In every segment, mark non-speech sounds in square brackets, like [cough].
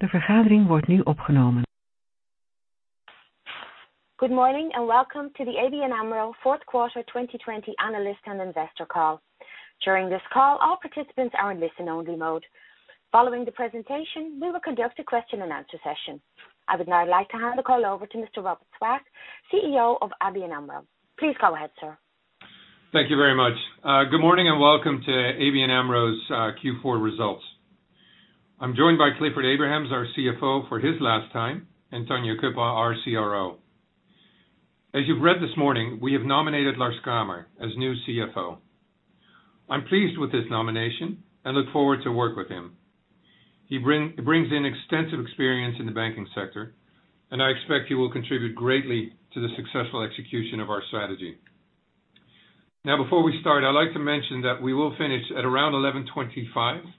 Good morning and welcome to the ABN AMRO Fourth Quarter 2020 Analyst and Investor Call. During this call, all participants are in listen-only mode. Following the presentation, we will conduct a question and answer session. I would now like to hand the call over to Mr. Robert Swaak, CEO of ABN AMRO. Please go ahead, sir. Thank you very much. Good morning and welcome to ABN AMRO's Q4 results. I'm joined by Clifford Abrahams, our CFO, for his last time, and Tanja Cuppen, our CRO. As you've read this morning, we have nominated Lars Kramer as new CFO. I'm pleased with this nomination and look forward to work with him. He brings in extensive experience in the banking sector, and I expect he will contribute greatly to the successful execution of our strategy. Before we start, I'd like to mention that we will finish at around 11:25 A.M.,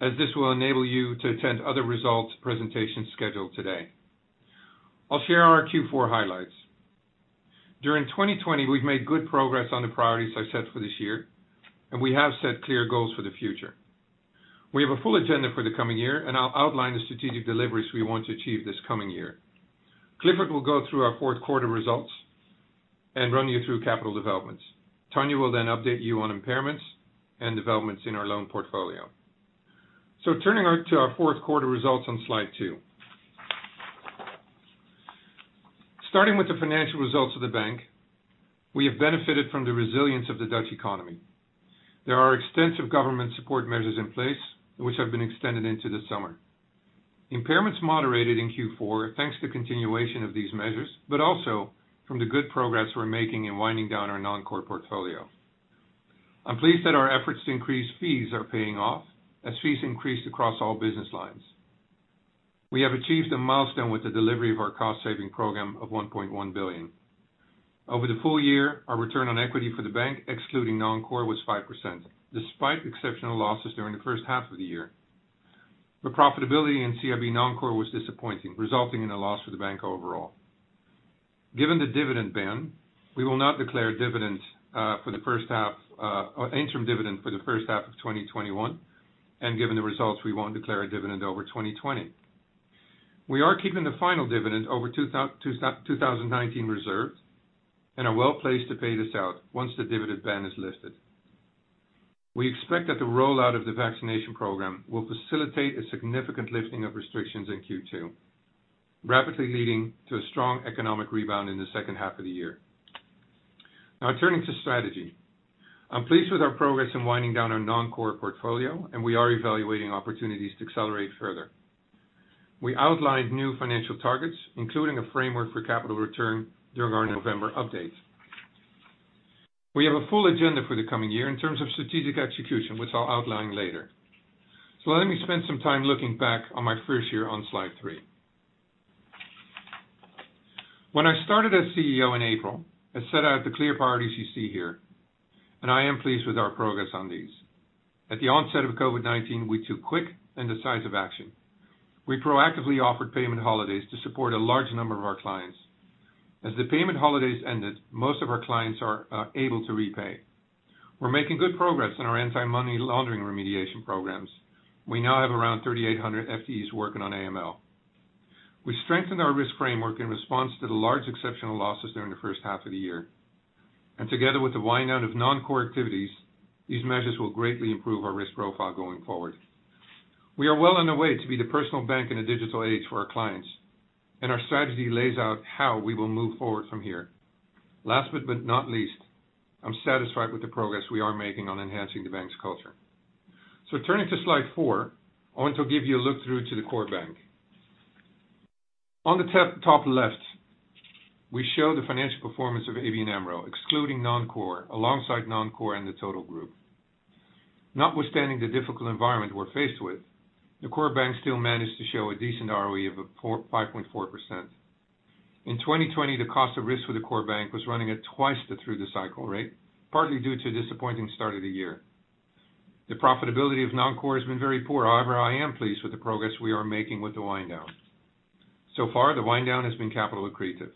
as this will enable you to attend other results presentations scheduled today. I'll share our Q4 highlights. During 2020, we've made good progress on the priorities I set for this year, and we have set clear goals for the future. We have a full agenda for the coming year, and I'll outline the strategic deliveries we want to achieve this coming year. Clifford will go through our fourth quarter results and run you through capital developments. Tanja will then update you on impairments and developments in our loan portfolio. Turning to our fourth quarter results on slide two. Starting with the financial results of the bank, we have benefited from the resilience of the Dutch economy. There are extensive government support measures in place, which have been extended into the summer. Impairments moderated in Q4, thanks to continuation of these measures, but also from the good progress we're making in winding down our non-core portfolio. I'm pleased that our efforts to increase fees are paying off as fees increased across all business lines. We have achieved a milestone with the delivery of our cost-saving program of 1.1 billion. Over the full year, our return on equity for the bank, excluding non-core, was 5%, despite exceptional losses during the first half of the year. The profitability in CIB non-core was disappointing, resulting in a loss for the bank overall. Given the dividend ban, we will not declare an interim dividend for the first half of 2021, and given the results, we won't declare a dividend over 2020. We are keeping the final dividend over 2019 reserved and are well-placed to pay this out once the dividend ban is lifted. We expect that the rollout of the vaccination program will facilitate a significant lifting of restrictions in Q2, rapidly leading to a strong economic rebound in the second half of the year. Turning to strategy. I'm pleased with our progress in winding down our non-core portfolio, and we are evaluating opportunities to accelerate further. We outlined new financial targets, including a framework for capital return during our November update. We have a full agenda for the coming year in terms of strategic execution, which I'll outline later. Let me spend some time looking back on my first year on slide three. When I started as CEO in April, I set out the clear priorities you see here, and I am pleased with our progress on these. At the onset of COVID-19, we took quick and decisive action. We proactively offered payment holidays to support a large number of our clients. As the payment holidays ended, most of our clients are able to repay. We're making good progress on our anti-money laundering remediation programs. We now have around 3,800 FTEs working on AML. We strengthened our risk framework in response to the large exceptional losses during the first half of the year. Together with the wind-down of non-core activities, these measures will greatly improve our risk profile going forward. We are well on the way to be the personal bank in a digital age for our clients, and our strategy lays out how we will move forward from here. Last but not least, I'm satisfied with the progress we are making on enhancing the bank's culture. Turning to slide four, I want to give you a look through to the core bank. On the top left, we show the financial performance of ABN AMRO, excluding non-core, alongside non-core and the total group. Notwithstanding the difficult environment we're faced with, the core bank still managed to show a decent ROE of 5.4%. In 2020, the cost of risk for the core bank was running at twice the through-the-cycle rate, partly due to a disappointing start of the year. The profitability of non-core has been very poor. I am pleased with the progress we are making with the wind-down. The wind-down has been capital accretive.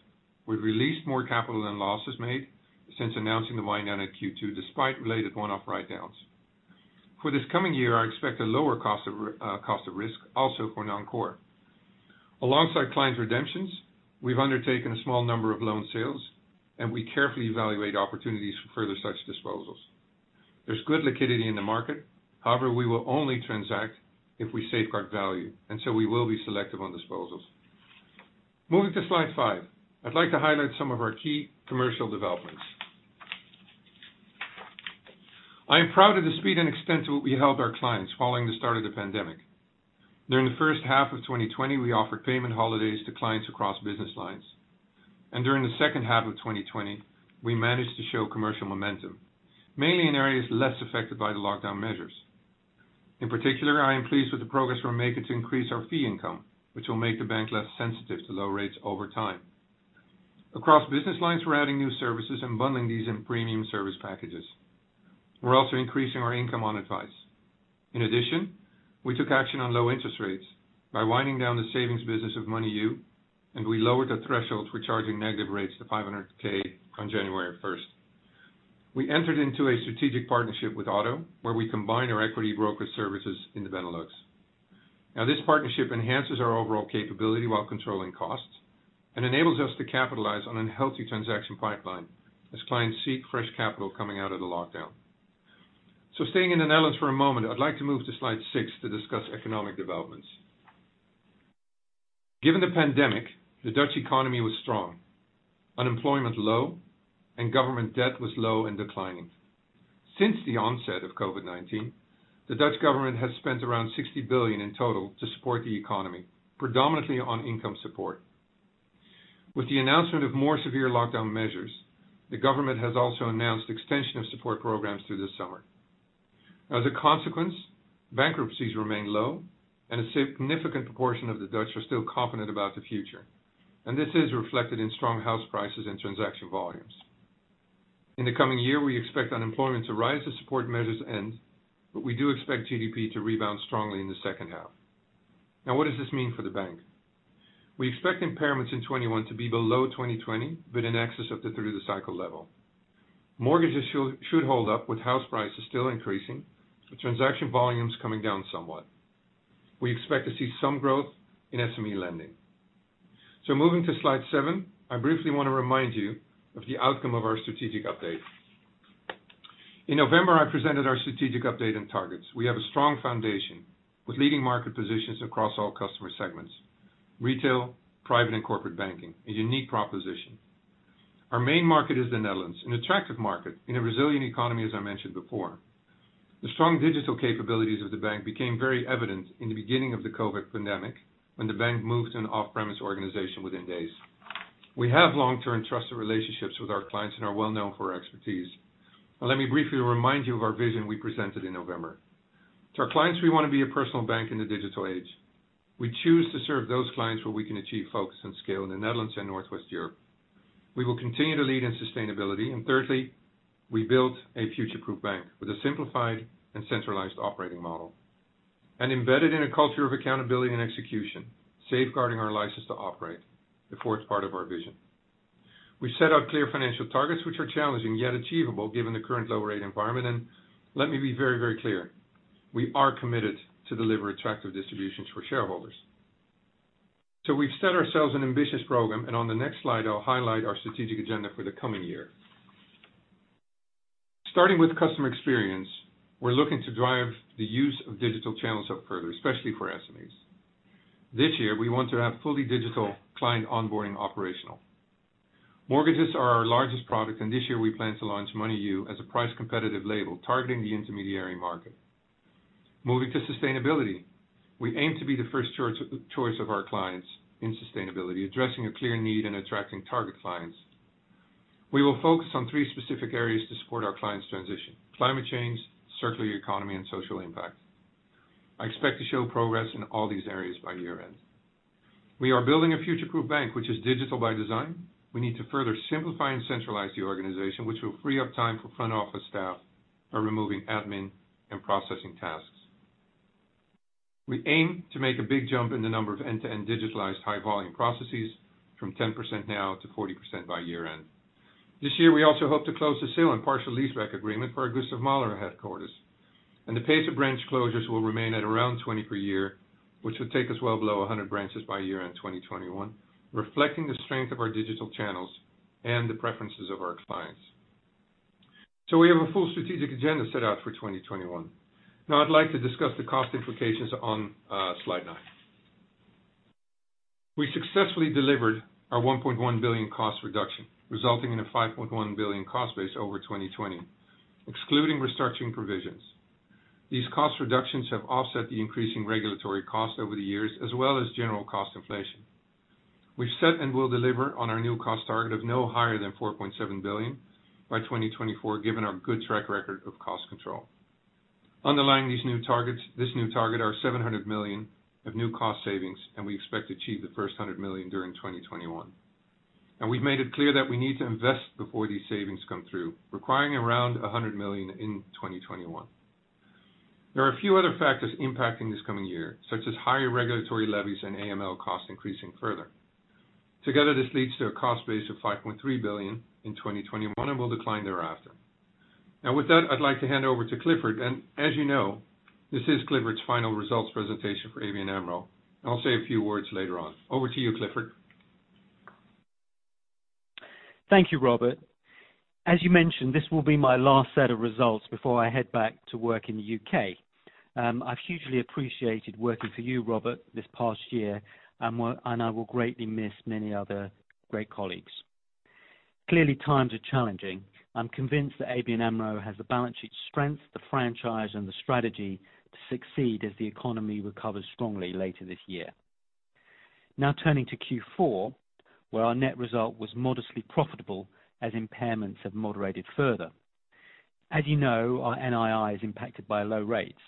We've released more capital than losses made since announcing the wind-down at Q2, despite related one-off write-downs. For this coming year, I expect a lower cost of risk also for non-core. Alongside client redemptions, we've undertaken a small number of loan sales. We carefully evaluate opportunities for further such disposals. There's good liquidity in the market. We will only transact if we safeguard value. We will be selective on disposals. Moving to slide five, I'd like to highlight some of our key commercial developments. I am proud of the speed and extent to what we helped our clients following the start of the pandemic. During the first half of 2020, we offered payment holidays to clients across business lines. During the second half of 2020, we managed to show commercial momentum, mainly in areas less affected by the lockdown measures. In particular, I am pleased with the progress we're making to increase our fee income, which will make the bank less sensitive to low rates over time. Across business lines, we're adding new services and bundling these in premium service packages. We're also increasing our income on advice. In addition, we took action on low interest rates by winding down the savings business with Moneyou, and we lowered the threshold for charging negative rates to 500,000 on January 1st. We entered into a strategic partnership with ODDO BHF, where we combine our equity broker services in the Benelux. This partnership enhances our overall capability while controlling costs and enables us to capitalize on a healthy transaction pipeline as clients seek fresh capital coming out of the lockdown. Staying in the Netherlands for a moment, I'd like to move to slide six to discuss economic developments. Given the pandemic, the Dutch economy was strong, unemployment low, and government debt was low and declining. Since the onset of COVID-19, the Dutch government has spent around 60 billion in total to support the economy, predominantly on income support. With the announcement of more severe lockdown measures, the government has also announced extension of support programs through this summer. As a consequence, bankruptcies remain low and a significant proportion of the Dutch are still confident about the future, and this is reflected in strong house prices and transaction volumes. In the coming year, we expect unemployment to rise as support measures end. We do expect GDP to rebound strongly in the second half. What does this mean for the bank? We expect impairments in 2021 to be below 2020, but in excess of the through the cycle level. Mortgages should hold up with house prices still increasing, but transaction volumes coming down somewhat. We expect to see some growth in SME lending. Moving to slide seven, I briefly want to remind you of the outcome of our strategic update. In November, I presented our strategic update and targets. We have a strong foundation with leading market positions across all customer segments, retail, private, and corporate banking, a unique proposition. Our main market is the Netherlands, an attractive market in a resilient economy, as I mentioned before. The strong digital capabilities of the bank became very evident in the beginning of the COVID-19 pandemic when the bank moved to an off-premise organization within days. We have long-term trusted relationships with our clients and are well-known for our expertise. Now, let me briefly remind you of our vision we presented in November. To our clients, we want to be a personal bank in the digital age. We choose to serve those clients where we can achieve focus and scale in the Netherlands and Northwest Europe. We will continue to lead in sustainability. Thirdly, we build a future-proof bank with a simplified and centralized operating model, embedded in a culture of accountability and execution, safeguarding our license to operate, the fourth part of our vision. We set out clear financial targets, which are challenging yet achievable given the current low rate environment. Let me be very, very clear, we are committed to deliver attractive distributions for shareholders. We've set ourselves an ambitious program, and on the next slide, I'll highlight our strategic agenda for the coming year. Starting with customer experience, we're looking to drive the use of digital channels up further, especially for SMEs. This year, we want to have fully digital client onboarding operational. Mortgages are our largest product, and this year we plan to launch Moneyou as a price competitive label targeting the intermediary market. Moving to sustainability, we aim to be the first choice of our clients in sustainability, addressing a clear need and attracting target clients. We will focus on three specific areas to support our clients' transition: climate change, circular economy, and social impact. I expect to show progress in all these areas by year end. We are building a future-proof bank, which is digital by design. We need to further simplify and centralize the organization, which will free up time for front office staff by removing admin and processing tasks. We aim to make a big jump in the number of end-to-end digitalized high volume processes from 10% now to 40% by year end. This year, we also hope to close the sale and partial leaseback agreement for our Gustav Mahler headquarters. The pace of branch closures will remain at around 20 per year, which will take us well below 100 branches by year end 2021, reflecting the strength of our digital channels and the preferences of our clients. We have a full strategic agenda set out for 2021. Now I'd like to discuss the cost implications on slide nine. We successfully delivered our 1.1 billion cost reduction, resulting in a 5.1 billion cost base over 2020, excluding restructuring provisions. These cost reductions have offset the increasing regulatory cost over the years, as well as general cost inflation. We've set and will deliver on our new cost target of no higher than 4.7 billion by 2024, given our good track record of cost control. Underlying this new target are 700 million of new cost savings, we expect to achieve the first 100 million during 2021. We've made it clear that we need to invest before these savings come through, requiring around 100 million in 2021. There are a few other factors impacting this coming year, such as higher regulatory levies and AML costs increasing further. Together, this leads to a cost base of 5.3 billion in 2021 and will decline thereafter. Now with that, I'd like to hand over to Clifford. As you know, this is Clifford's final results presentation for ABN AMRO. I'll say a few words later on. Over to you, Clifford. Thank you, Robert. As you mentioned, this will be my last set of results before I head back to work in the U.K. I've hugely appreciated working for you, Robert, this past year, and I will greatly miss many other great colleagues. Clearly, times are challenging. I'm convinced that ABN AMRO has the balance sheet strength, the franchise, and the strategy to succeed as the economy recovers strongly later this year. Now turning to Q4, where our net result was modestly profitable as impairments have moderated further. As you know, our NII is impacted by low rates.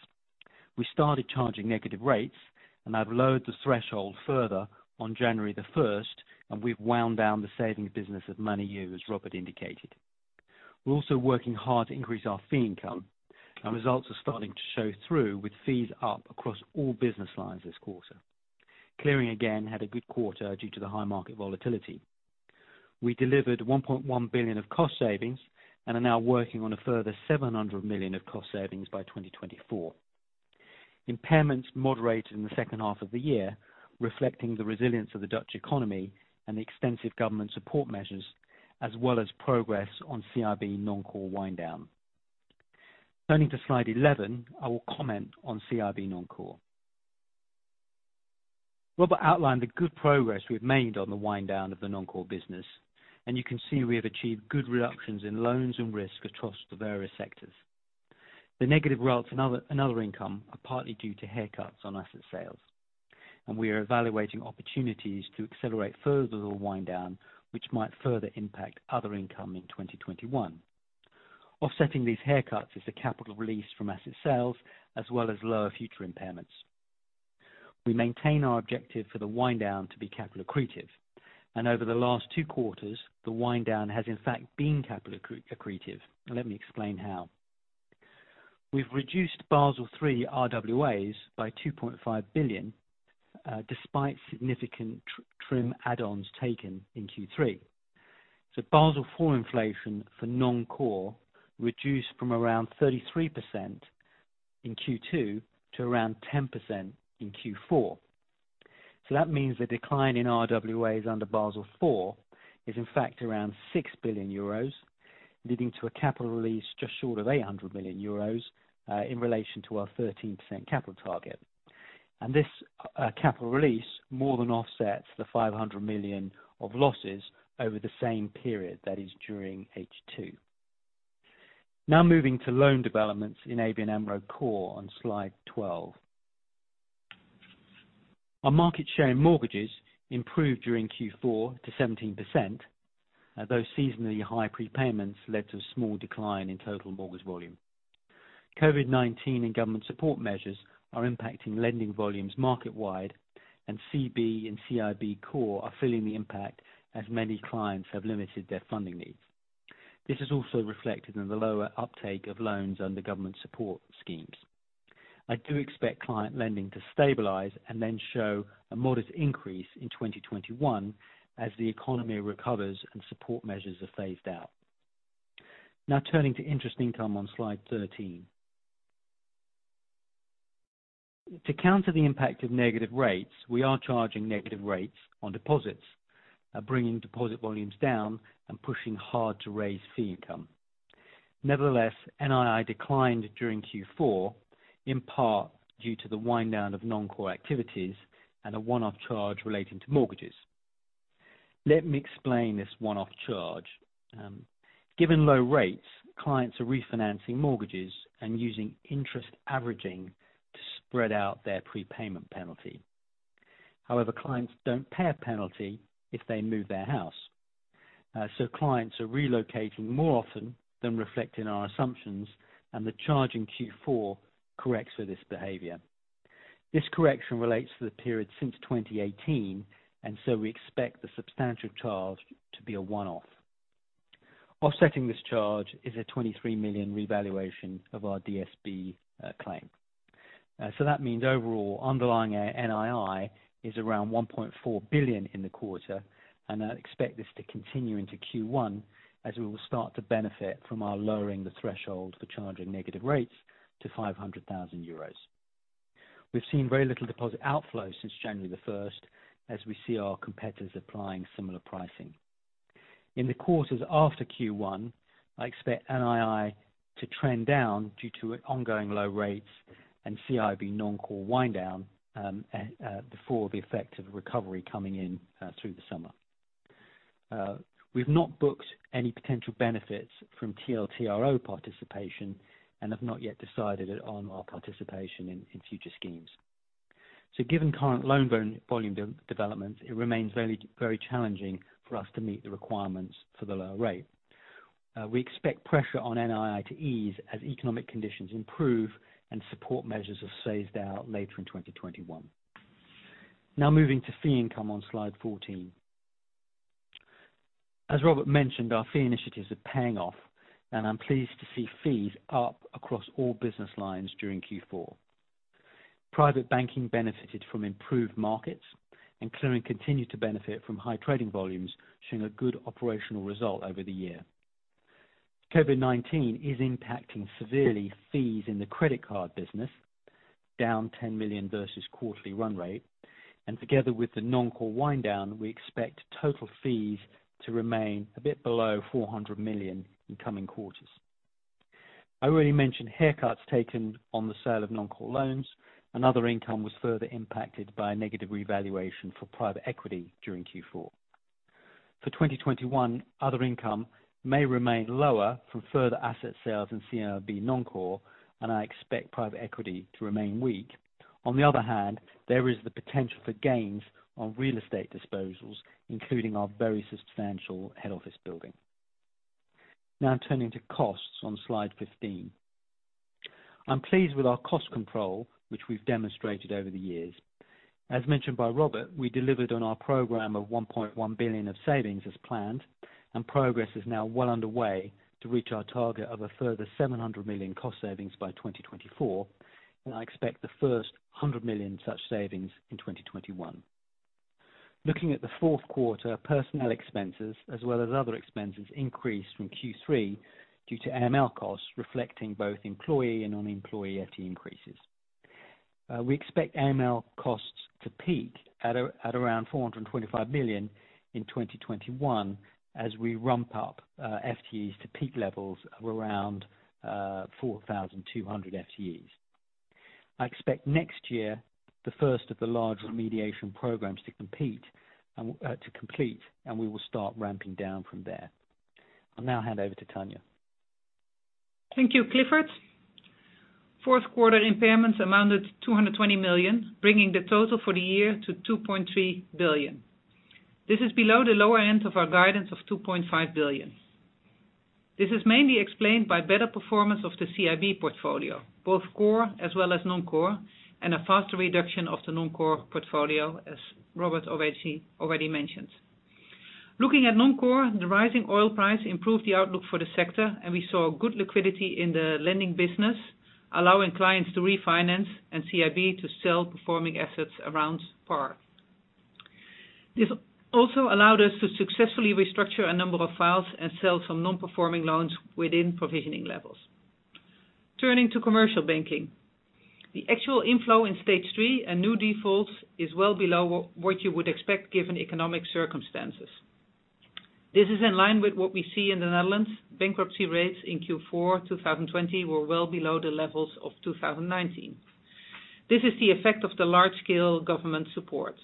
We started charging negative rates and have lowered the threshold further on January the first, and we've wound down the savings business of Moneyou, as Robert indicated. We're also working hard to increase our fee income, and results are starting to show through with fees up across all business lines this quarter. Clearing again had a good quarter due to the high market volatility. We delivered 1.1 billion of cost savings and are now working on a further 700 million of cost savings by 2024. Impairments moderated in the second half of the year, reflecting the resilience of the Dutch economy and the extensive government support measures, as well as progress on CIB non-core wind down. Turning to slide 11, I will comment on CIB non-core. Robert outlined the good progress we've made on the wind down of the non-core business, and you can see we have achieved good reductions in loans and risk across the various sectors. The negative results in other income are partly due to haircuts on asset sales. We are evaluating opportunities to accelerate further the wind down, which might further impact other income in 2021. Offsetting these haircuts is the capital release from asset sales, as well as lower future impairments. We maintain our objective for the wind down to be capital accretive. Over the last two quarters, the wind down has in fact been capital accretive. Let me explain how. We've reduced Basel III RWAs by 2.5 billion, despite significant TRIM add-ons taken in Q3. Basel IV inflation for non-core reduced from around 33% in Q2 to around 10% in Q4. That means the decline in RWAs under Basel IV is in fact around 6 billion euros, leading to a capital release just short of 800 million euros, in relation to our 13% capital target. This capital release more than offsets the 500 million of losses over the same period, that is during H2. Moving to loan developments in ABN AMRO Core on slide 12. Our market share in mortgages improved during Q4 to 17%, although seasonally high prepayments led to a small decline in total mortgage volume. COVID-19 and government support measures are impacting lending volumes market-wide, and CB and CIB Core are feeling the impact as many clients have limited their funding needs. This is also reflected in the lower uptake of loans under government support schemes. I do expect client lending to stabilize and then show a modest increase in 2021 as the economy recovers and support measures are phased out. Turning to interest income on slide 13. To counter the impact of negative rates, we are charging negative rates on deposits, bringing deposit volumes down and pushing hard to raise fee income. Nevertheless, NII declined during Q4, in part due to the wind down of non-core activities and a one-off charge relating to mortgages. Let me explain this one-off charge. Given low rates, clients are refinancing mortgages and using interest averaging to spread out their prepayment penalty. However, clients don't pay a penalty if they move their house. Clients are relocating more often than reflected in our assumptions, and the charge in Q4 corrects for this behavior. This correction relates to the period since 2018, and so we expect the substantial charge to be a one-off. Offsetting this charge is a 23 million revaluation of our DSB claim. That means overall, underlying NII is around 1.4 billion in the quarter, and I expect this to continue into Q1, as we will start to benefit from our lowering the threshold for charging negative rates to 500,000 euros. We've seen very little deposit outflow since January the 1st, as we see our competitors applying similar pricing. In the quarters after Q1, I expect NII to trend down due to ongoing low rates and CIB non-core wind down before the effect of recovery coming in through the summer. We've not booked any potential benefits from TLTRO participation and have not yet decided on our participation in future schemes. Given current loan volume developments, it remains very challenging for us to meet the requirements for the lower rate. We expect pressure on NII to ease as economic conditions improve and support measures are phased out later in 2021. Moving to fee income on slide 14. As Robert mentioned, our fee initiatives are paying off, and I'm pleased to see fees up across all business lines during Q4. Private banking benefited from improved markets, and clearing continued to benefit from high trading volumes, showing a good operational result over the year. COVID-19 is impacting severely fees in the credit card business, down 10 million versus quarterly run rate. Together with the non-core wind down, we expect total fees to remain a bit below 400 million in coming quarters. I already mentioned haircuts taken on the sale of non-core loans. Another income was further impacted by negative revaluation for private equity during Q4. For 2021, other income may remain lower from further asset sales in CIB non-core, and I expect private equity to remain weak. On the other hand, there is the potential for gains on real estate disposals, including our very substantial head office building. Now turning to costs on slide 15. I am pleased with our cost control, which we have demonstrated over the years. As mentioned by Robert, we delivered on our program of 1.1 billion of savings as planned. Progress is now well underway to reach our target of a further 700 million cost savings by 2024. I expect the first 100 million in such savings in 2021. Looking at the fourth quarter, personnel expenses as well as other expenses increased from Q3 due to AML costs, reflecting both employee and non-employee FTE increases. We expect AML costs to peak at around 425 million in 2021 as we ramp up FTEs to peak levels of around 4,200 FTEs. I expect next year, the first of the large remediation programs to complete, and we will start ramping down from there. I'll now hand over to Tanja. Thank you, Clifford. Fourth quarter impairments amounted to 220 million, bringing the total for the year to 2.3 billion. This is below the lower end of our guidance of 2.5 billion. This is mainly explained by better performance of the CIB portfolio, both core as well as non-core, and a faster reduction of the non-core portfolio, as Robert already mentioned. Looking at non-core, the rising oil price improved the outlook for the sector, and we saw good liquidity in the lending business, allowing clients to refinance and CIB to sell performing assets around par. This also allowed us to successfully restructure a number of files and sell some non-performing loans within provisioning levels. Turning to commercial banking. The actual inflow in Stage 3 and new defaults is well below what you would expect given economic circumstances. This is in line with what we see in the Netherlands. Bankruptcy rates in Q4 2020 were well below the levels of 2019. This is the effect of the large-scale government support.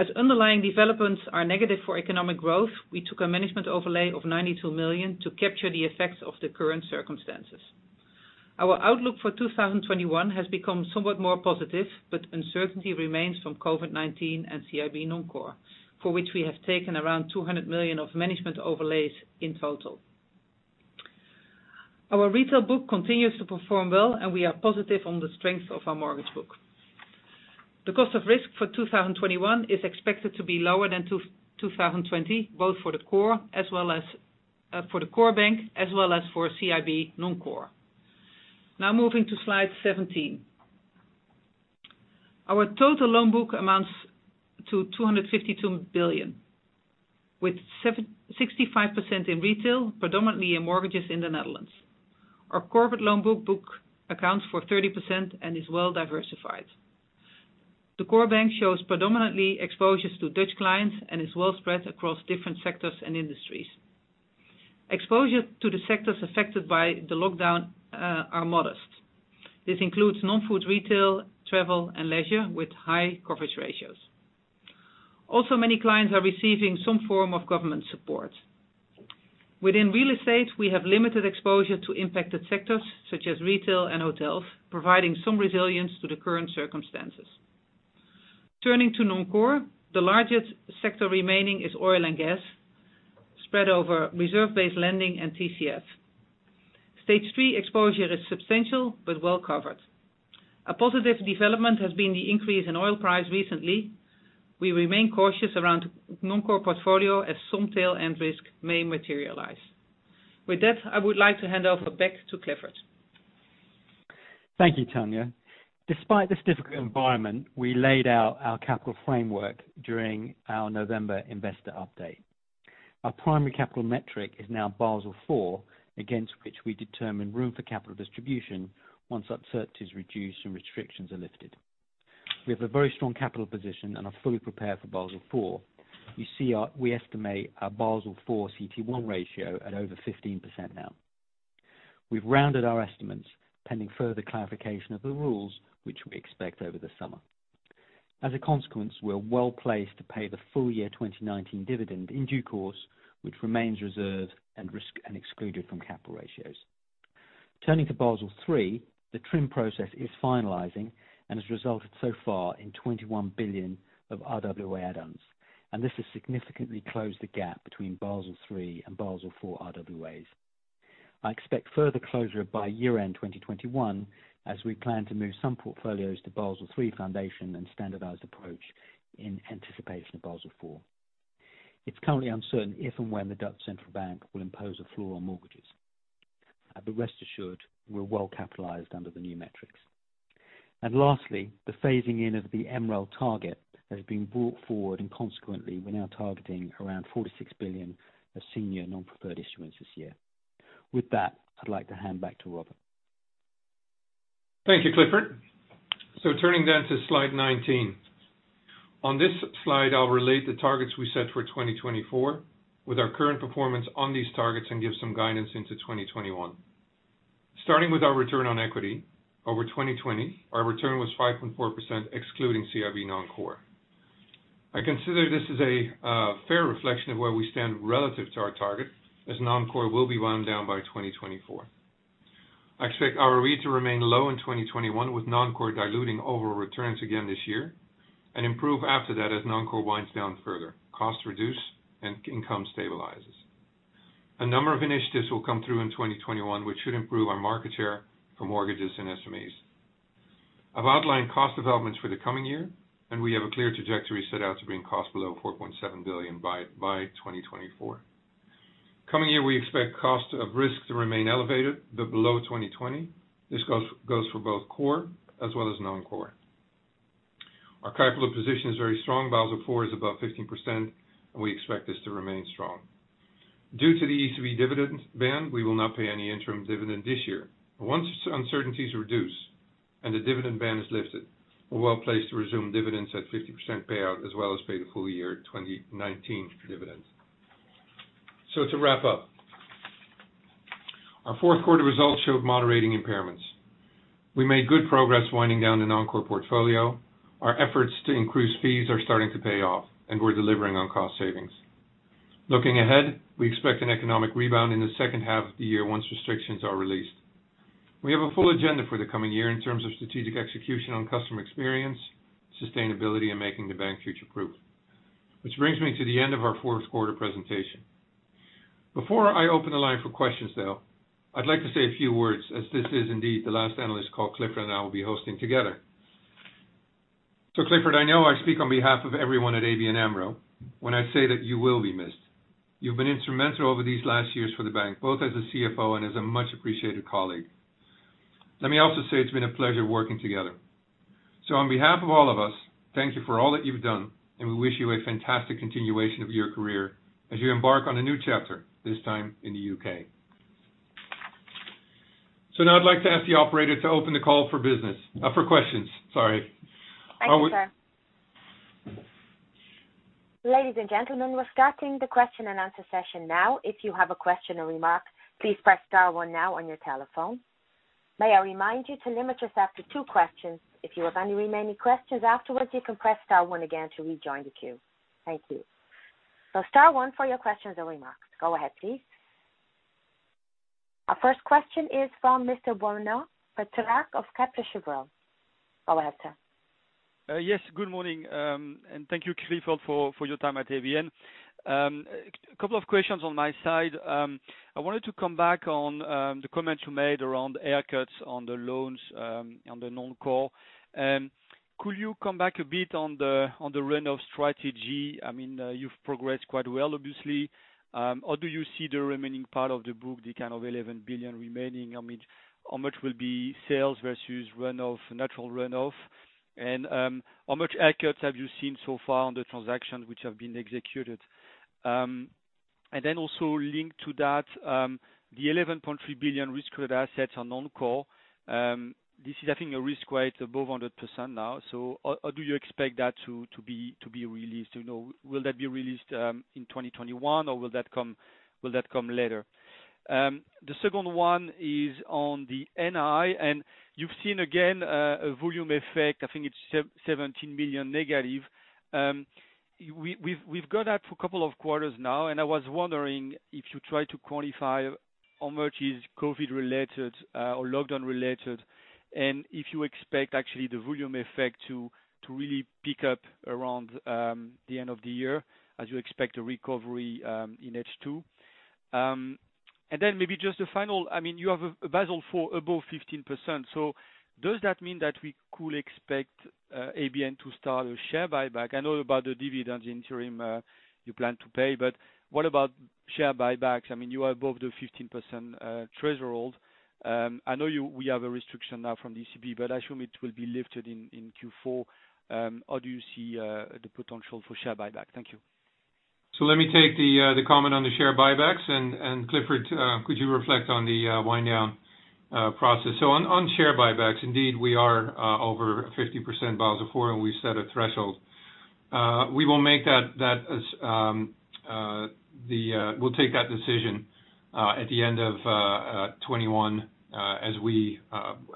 As underlying developments are negative for economic growth, we took a management overlay of 92 million to capture the effects of the current circumstances. Our outlook for 2021 has become somewhat more positive, but uncertainty remains from COVID-19 and CIB non-core, for which we have taken around 200 million of management overlays in total. Our retail book continues to perform well, and we are positive on the strength of our mortgage book. The cost of risk for 2021 is expected to be lower than 2020, both for the core bank as well as for CIB non-core. Moving to slide 17. Our total loan book amounts to 252 billion, with 65% in retail, predominantly in mortgages in the Netherlands. Our corporate loan book accounts for 30% and is well diversified. The core bank shows predominantly exposures to Dutch clients and is well spread across different sectors and industries. Exposure to the sectors affected by the lockdown are modest. This includes non-food, retail, travel and leisure, with high coverage ratios. Many clients are receiving some form of government support. Within real estate, we have limited exposure to impacted sectors such as retail and hotels, providing some resilience to the current circumstances. Turning to non-core, the largest sector remaining is oil and gas, spread over reserve-based lending and TCF. Stage 3 exposure is substantial but well covered. A positive development has been the increase in oil price recently. We remain cautious around non-core portfolio as some tail end risk may materialize. With that, I would like to hand over back to Clifford. Thank you, Tanja. Despite this difficult environment, we laid out our capital framework during our November investor update. Our primary capital metric is now Basel IV, against which we determine room for capital distribution, once uncertainty is reduced and restrictions are lifted. We have a very strong capital position and are fully prepared for Basel IV. We estimate our Basel IV CET1 ratio at over 15% now. We've rounded our estimates pending further clarification of the rules, which we expect over the summer. As a consequence, we are well-placed to pay the full year 2019 dividend in due course, which remains reserved and excluded from capital ratios. Turning to Basel III, the TRIM process is finalizing and has resulted so far in 21 billion of RWA add-ons, and this has significantly closed the gap between Basel III and Basel IV RWAs. I expect further closure by year-end 2021, as we plan to move some portfolios to Basel III foundation and standardized approach in anticipation of Basel IV. Rest assured, we're well capitalized under the new metrics. Lastly, the phasing in of the MREL target has been brought forward, and consequently, we're now targeting around 4 to 6 billion of senior non-preferred issuance this year. With that, I'd like to hand back to Robert. Thank you, Clifford. Turning then to slide 19. On this slide, I'll relate the targets we set for 2024 with our current performance on these targets and give some guidance into 2021. Starting with our return on equity, over 2020, our return was 5.4%, excluding CIB non-core. I consider this as a fair reflection of where we stand relative to our target, as non-core will be wound down by 2024. I expect our ROE to remain low in 2021, with non-core diluting overall returns again this year, and improve after that as non-core winds down further, costs reduce, and income stabilizes. A number of initiatives will come through in 2021, which should improve our market share for mortgages and SMEs. I've outlined cost developments for the coming year, and we have a clear trajectory set out to bring costs below 4.7 billion by 2024. Coming year, we expect cost of risk to remain elevated, but below 2020. This goes for both core as well as non-core. Our capital position is very strong. Basel IV is above 15%, and we expect this to remain strong. Due to the ECB dividend ban, we will not pay any interim dividend this year. Once uncertainties reduce, and the dividend ban is lifted, we're well-placed to resume dividends at 50% payout, as well as pay the full year 2019 dividends. To wrap up, our fourth quarter results showed moderating impairments. We made good progress winding down the non-core portfolio. Our efforts to increase fees are starting to pay off, and we're delivering on cost savings. Looking ahead, we expect an economic rebound in the second half of the year once restrictions are released. We have a full agenda for the coming year in terms of strategic execution on customer experience, sustainability, and making the bank future-proof. Brings me to the end of our fourth quarter presentation. Before I open the line for questions, though, I'd like to say a few words as this is indeed the last analyst call Clifford and I will be hosting together. Clifford, I know I speak on behalf of everyone at ABN AMRO when I say that you will be missed. You've been instrumental over these last years for the bank, both as a CFO and as a much-appreciated colleague. Let me also say it's been a pleasure working together. On behalf of all of us, thank you for all that you've done, and we wish you a fantastic continuation of your career as you embark on a new chapter, this time in the U.K. Now I'd like to ask the operator to open the call for questions, sorry. Thank you, sir. Ladies and gentlemen, we're starting the question and answer session now. If you have a question or remark, please press star one now on your telephone. May I remind you to limit yourself to two questions. If you have any remaining questions afterwards, you can press star one again to rejoin the queue. Thank you. Star one for your questions or remarks. Go ahead, please. Our first question is from Mr. Benoît Pétrarque of Kepler Cheuvreux. Go ahead, sir. Yes, good morning. Thank you, Clifford, for your time at ABN. A couple of questions on my side. I wanted to come back on the comments you made around haircuts on the loans on the non-core. Could you come back a bit on the run-off strategy? You've progressed quite well, obviously. How do you see the remaining part of the book, the kind of 11 billion remaining? How much will be sales versus natural run-off? How much haircuts have you seen so far on the transactions which have been executed? Also linked to that, the 11.3 billion Risk-Weighted Assets are non-core. This is, I think, a Risk-Weighted above 100% now. How do you expect that to be released? Will that be released in 2021, or will that come later? The second one is on the NII, you've seen again a volume effect. I think it's 17 million negative. We've got that for a couple of quarters now. I was wondering if you try to quantify how much is COVID related or lockdown related, and if you expect actually the volume effect to really pick up around the end of the year as you expect a recovery in H2. Maybe just a final, you have a Basel IV above 15%. Does that mean that we could expect ABN to start a share buyback? I know about the dividends interim you plan to pay. What about share buybacks? You are above the 15% threshold. I know we have a restriction now from the ECB. I assume it will be lifted in Q4. How do you see the potential for share buyback? Thank you. Let me take the comment on the share buybacks, and Clifford, could you reflect on the wind down process? On share buybacks, indeed, we are over 50% Basel IV, and we set a threshold. We'll take that decision at the end of 2021, as we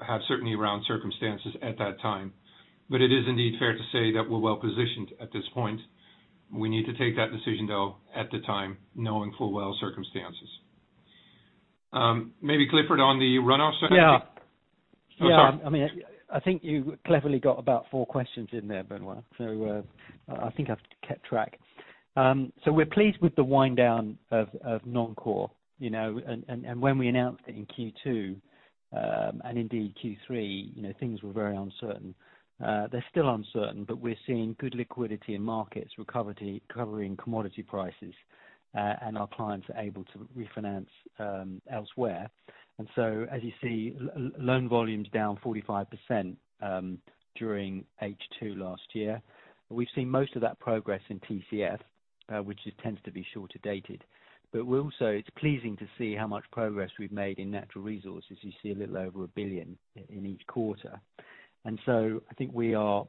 have certainty around circumstances at that time. It is indeed fair to say that we're well positioned at this point. We need to take that decision, though, at the time, knowing full well circumstances. Maybe Clifford on the run-off strategy. Yeah. Oh, sorry. I think you cleverly got about four questions in there, Benoît. I think I've kept track. We're pleased with the wind down of non-core. When we announced it in Q2, and indeed Q3, things were very uncertain. They're still uncertain, but we're seeing good liquidity in markets, recovery in commodity prices, and our clients are able to refinance elsewhere. As you see, loan volume's down 45% during H2 last year. We've seen most of that progress in TCF, which tends to be shorter dated. Also, it's pleasing to see how much progress we've made in natural resources. You see a little over 1 billion in each quarter. I think we are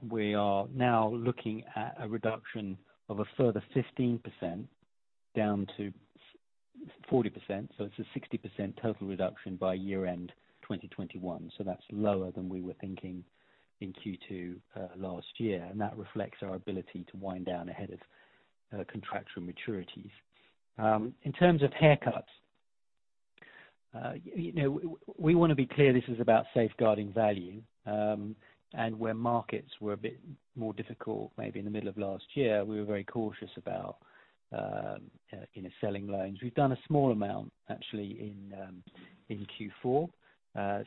now looking at a reduction of a further 15% down to 40%. It's a 60% total reduction by year-end 2021. That's lower than we were thinking in Q2 last year, and that reflects our ability to wind down ahead of contractual maturities. In terms of haircuts, we want to be clear this is about safeguarding value. Where markets were a bit more difficult, maybe in the middle of last year, we were very cautious about selling loans. We've done a small amount, actually, in Q4.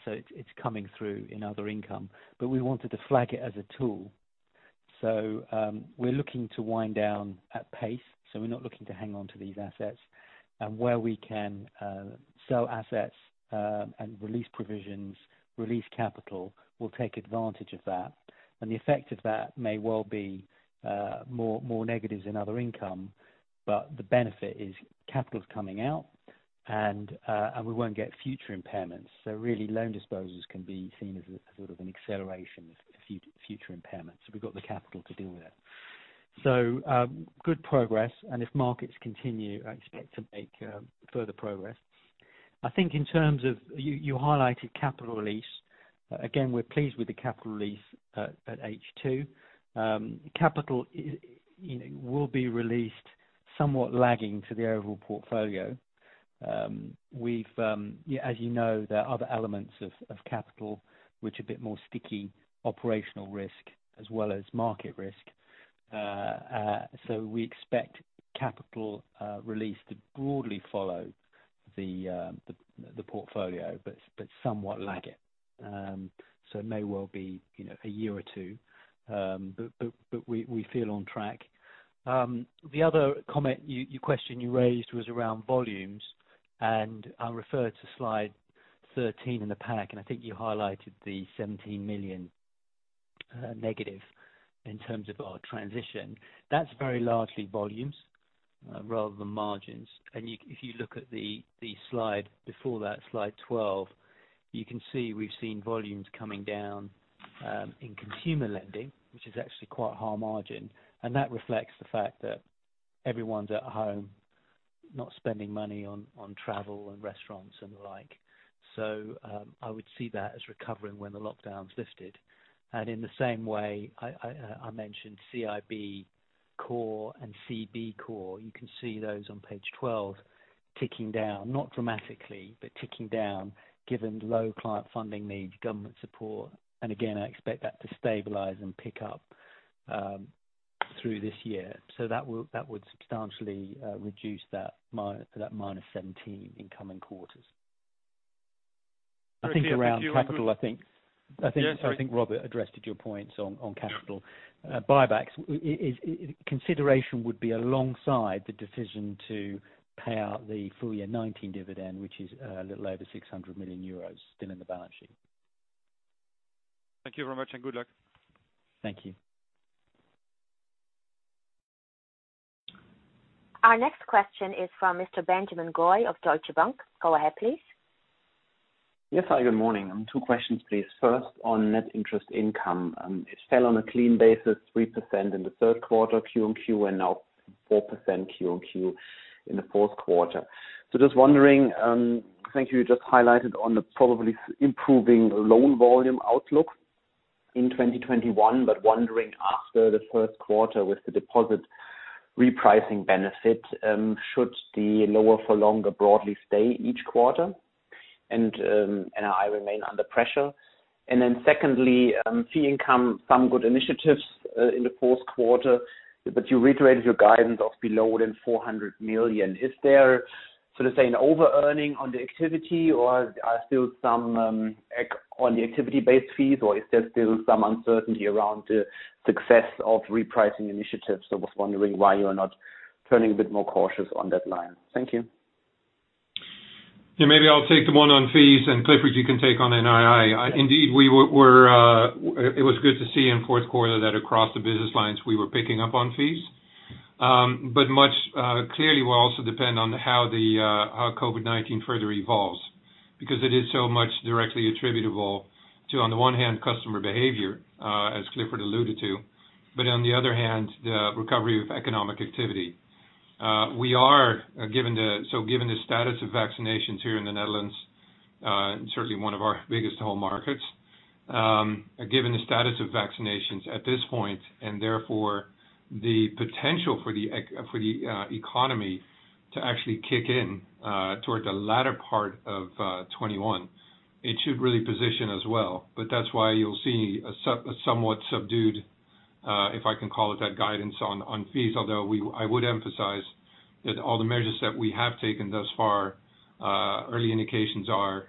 It's coming through in other income. But we wanted to flag it as a tool. We're looking to wind down at pace. We're not looking to hang on to these assets. Where we can sell assets and release provisions, release capital, we'll take advantage of that. The effect of that may well be more negatives in other income. The benefit is capital's coming out, and we won't get future impairments. Really loan disposals can be seen as sort of an acceleration of future impairments, so we've got the capital to deal with it. Good progress, and if markets continue, I expect to make further progress. I think in terms of, you highlighted capital release. Again, we're pleased with the capital release at H2. Capital will be released somewhat lagging to the overall portfolio. As you know, there are other elements of capital which are a bit more sticky, operational risk as well as market risk. We expect capital release to broadly follow the portfolio, but somewhat lag it. It may well be a year or two. We feel on track. The other comment, your question you raised was around volumes, and I'll refer to slide 13 in the pack, and I think you highlighted the 17 million negative in terms of our transition. That's very largely volumes rather than margins. If you look at the slide before that, slide 12, you can see we've seen volumes coming down in consumer lending, which is actually quite high margin. That reflects the fact that everyone's at home, not spending money on travel and restaurants and the like. I would see that as recovering when the lockdown's lifted. In the same way, I mentioned CIB core and CB core. You can see those on page 12 ticking down, not dramatically, but ticking down given the low client funding needs government support. Again, I expect that to stabilize and pick up through this year. That would substantially reduce that minus 17 in coming quarters. Yes. Sorry. I think Robert addressed your points on capital buybacks. Consideration would be alongside the decision to pay out the full year 2019 dividend, which is a little over 600 million euros still in the balance sheet. Thank you very much, and good luck. Thank you. Our next question is from Mr. Benjamin Goy of Deutsche Bank. Go ahead, please. Yes. Hi, good morning. Two questions, please. First, on net interest income. It fell on a clean basis, 3% in the third quarter Q-on-Q, and now 4% Q-on-Q in the fourth quarter. Just wondering, I think you just highlighted on the probably improving loan volume outlook in 2021. Wondering after the first quarter with the deposit repricing benefit, should the lower for longer broadly stay each quarter? NII remain under pressure. Secondly, fee income, some good initiatives in the fourth quarter, but you reiterated your guidance of below 400 million. Is there sort of an overearning on the activity, or are still some on the activity-based fees, or is there still some uncertainty around the success of repricing initiatives? I was wondering why you are not turning a bit more cautious on that line. Thank you. Yeah. Maybe I'll take the one on fees, and Clifford, you can take on NII. Indeed, it was good to see in fourth quarter that across the business lines we were picking up on fees. Much clearly will also depend on how COVID-19 further evolves. Because it is so much directly attributable to, on the one hand, customer behavior, as Clifford alluded to, but on the other hand, the recovery of economic activity. Given the status of vaccinations here in the Netherlands, certainly one of our biggest home markets. Given the status of vaccinations at this point, and therefore the potential for the economy to actually kick in towards the latter part of 2021, it should really position as well. That's why you'll see a somewhat subdued, if I can call it that, guidance on fees. I would emphasize that all the measures that we have taken thus far, early indications are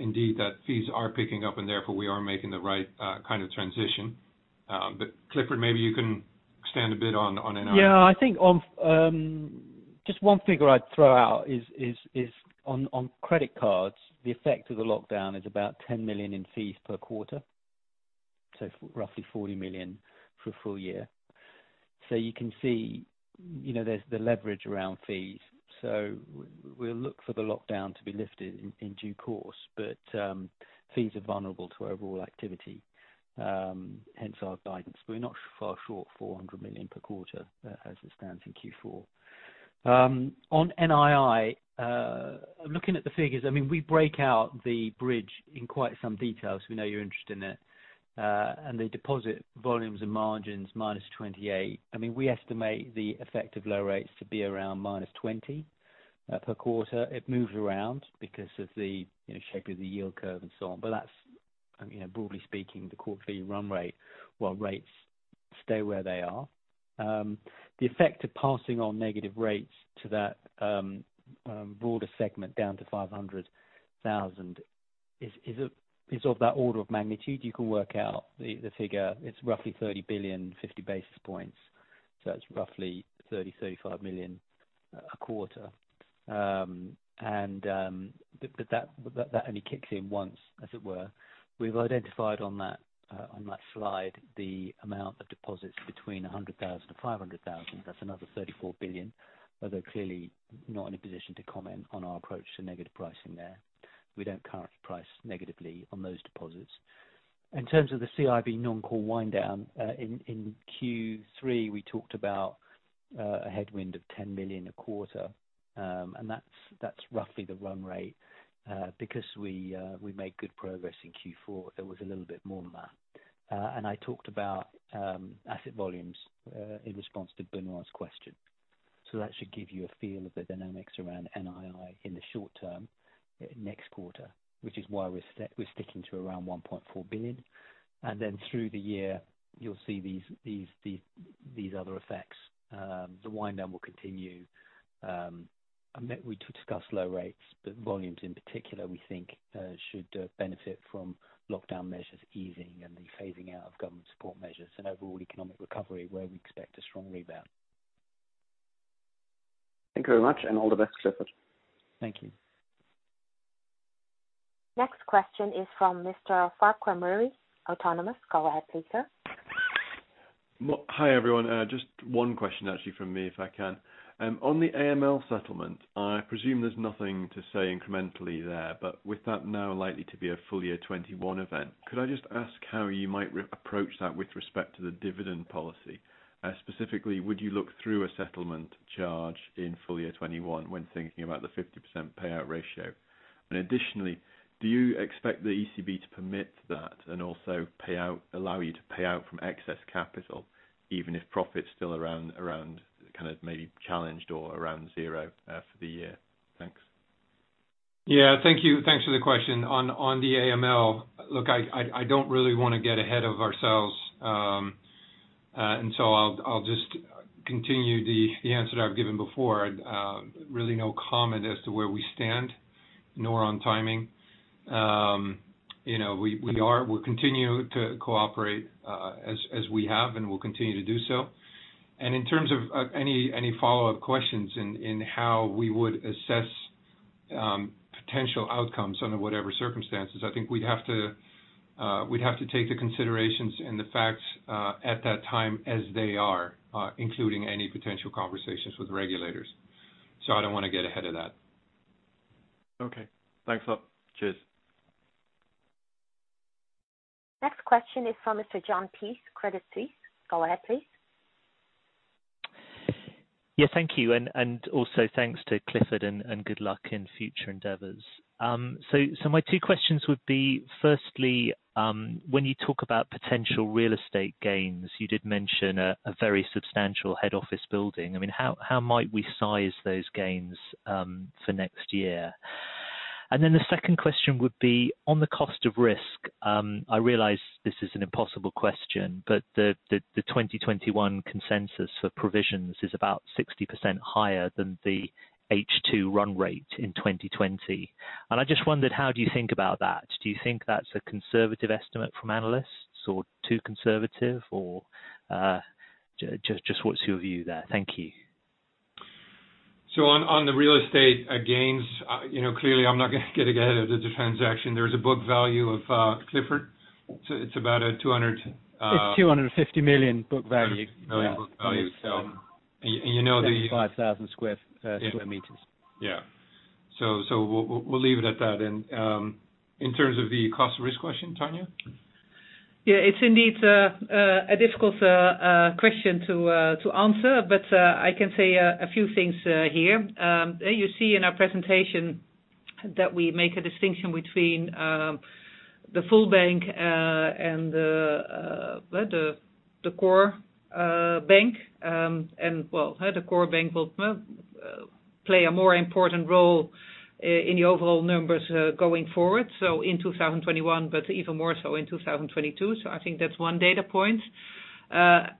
indeed that fees are picking up and therefore we are making the right kind of transition. Clifford, maybe you can expand a bit on NII. Yeah. I think just one figure I'd throw out is on credit cards. The effect of the lockdown is about 10 million in fees per quarter. Roughly 40 million for a full year. You can see there's the leverage around fees. We'll look for the lockdown to be lifted in due course. Fees are vulnerable to overall activity, hence our guidance. We're not far short 400 million per quarter as it stands in Q4. On NII, looking at the figures, we break out the bridge in quite some detail, so we know you're interested in it. The deposit volumes and margins, minus 28. We estimate the effect of low rates to be around minus 20 per quarter. It moves around because of the shape of the yield curve and so on. That's broadly speaking, the core fee run rate while rates stay where they are. The effect of passing on negative rates to that broader segment down to 500,000 is of that order of magnitude. You can work out the figure. It's roughly 30 billion, 50 basis points. That's roughly 30 million-35 million a quarter. That only kicks in once, as it were. We've identified on that slide the amount of deposits between 100,000 to 500,000. That's another 34 billion, although clearly not in a position to comment on our approach to negative pricing there. We don't currently price negatively on those deposits. In terms of the CIB non-core wind down, in Q3, we talked about a headwind of 10 million a quarter, and that's roughly the run rate. Because we made good progress in Q4, there was a little bit more than that. I talked about asset volumes in response to Benoît's question. That should give you a feel of the dynamics around NII in the short term next quarter, which is why we're sticking to around 1.4 billion. Then through the year, you'll see these other effects. The wind down will continue. We discussed low rates, but volumes in particular, we think, should benefit from lockdown measures easing and the phasing out of government support measures and overall economic recovery, where we expect a strong rebound. Thank you very much, and all the best, Clifford. Thank you. Next question is from Mr. Farquhar Murray, Autonomous. Go ahead, please, sir. Hi, everyone. Just one question actually from me, if I can. On the AML settlement, I presume there's nothing to say incrementally there, with that now likely to be a full-year 2021 event, could I just ask how you might approach that with respect to the dividend policy? Specifically, would you look through a settlement charge in full-year 2021 when thinking about the 50% payout ratio? Additionally, do you expect the ECB to permit that and also allow you to pay out from excess capital, even if profit's still around, maybe challenged or around zero for the year? Thanks. Yeah, thank you. Thanks for the question. On the AML, look, I don't really want to get ahead of ourselves, and so I'll just continue the answer that I've given before. Really no comment as to where we stand, nor on timing. We'll continue to cooperate as we have, and we'll continue to do so. In terms of any follow-up questions in how we would assess potential outcomes under whatever circumstances, I think we'd have to take the considerations and the facts at that time as they are, including any potential conversations with regulators. I don't want to get ahead of that. Okay. Thanks a lot. Cheers. Next question is from Mr. Jon Peace, Credit Suisse. Go ahead, please. Thank you. Also thanks to Clifford, and good luck in future endeavors. My two questions would be, firstly, when you talk about potential real estate gains, you did mention a very substantial head office building. How might we size those gains for next year? Then the second question would be on the cost of risk. I realize this is an impossible question, but the 2021 consensus for provisions is about 60% higher than the H2 run rate in 2020. I just wondered, how do you think about that? Do you think that's a conservative estimate from analysts or too conservative or just what's your view there? Thank you. On the real estate gains, clearly I'm not going to get ahead of the transaction. There's a book value of Clifford. It's about a 200- It's 250 million book value. Million book value. 75,000 sq m. Yeah. We'll leave it at that. In terms of the cost risk question, Tanja? It's indeed a difficult question to answer, but I can say a few things here. You see in our presentation that we make a distinction between the full bank and the core bank. Well, the core bank will play a more important role in the overall numbers going forward, so in 2021, but even more so in 2022. I think that's one data point. Well,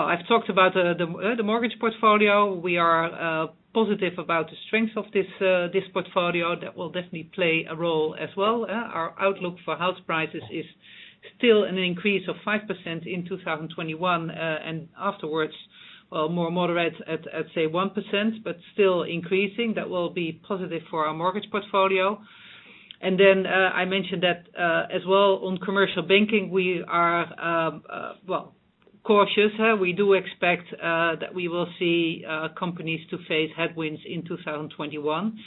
I've talked about the mortgage portfolio. We are positive about the strength of this portfolio. That will definitely play a role as well. Our outlook for house prices is still an increase of 5% in 2021, and afterwards, well, more moderate at, say, 1%, but still increasing. That will be positive for our mortgage portfolio. Then I mentioned that as well on commercial banking, we are cautious. We do expect that we will see companies to face headwinds in 2021.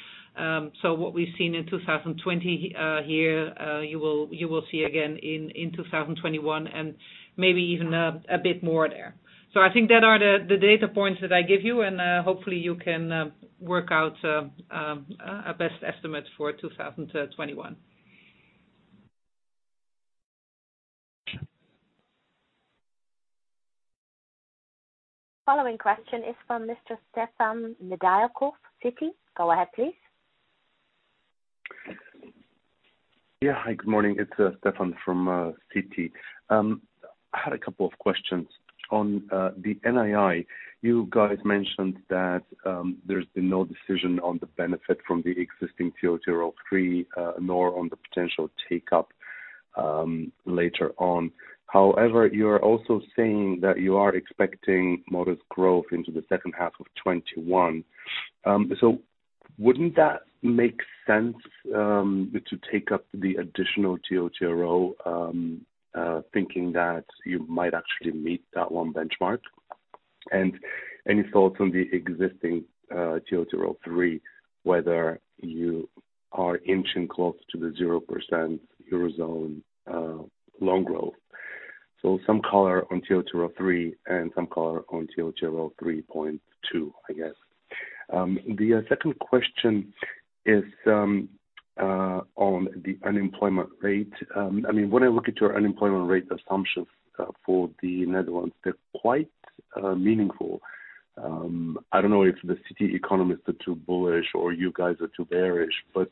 What we've seen in 2020 here, you will see again in 2021 and maybe even a bit more there. I think that are the data points that I give you, and hopefully you can work out a best estimate for 2021. Following question is from Mr. Stefan Nedialkov, Citi. Go ahead, please. Yeah. Hi, good morning. It's Stefan from Citi. I had a couple of questions on the NII. You guys mentioned that there's been no decision on the benefit from the existing TLTRO III, nor on the potential take-up later on. However, you're also saying that you are expecting modest growth into the second half of 2021. Wouldn't that make sense to take up the additional TLTRO, thinking that you might actually meet that one benchmark? Any thoughts on the existing TLTRO III, whether you are inching close to the 0% Eurozone loan growth. Some color on TLTRO III and some color on TLTRO 3.2, I guess. The second question is on the unemployment rate. When I look at your unemployment rate assumptions for the Netherlands, they're quite meaningful. I don't know if the Citi economists are too bullish or you guys are too bearish, but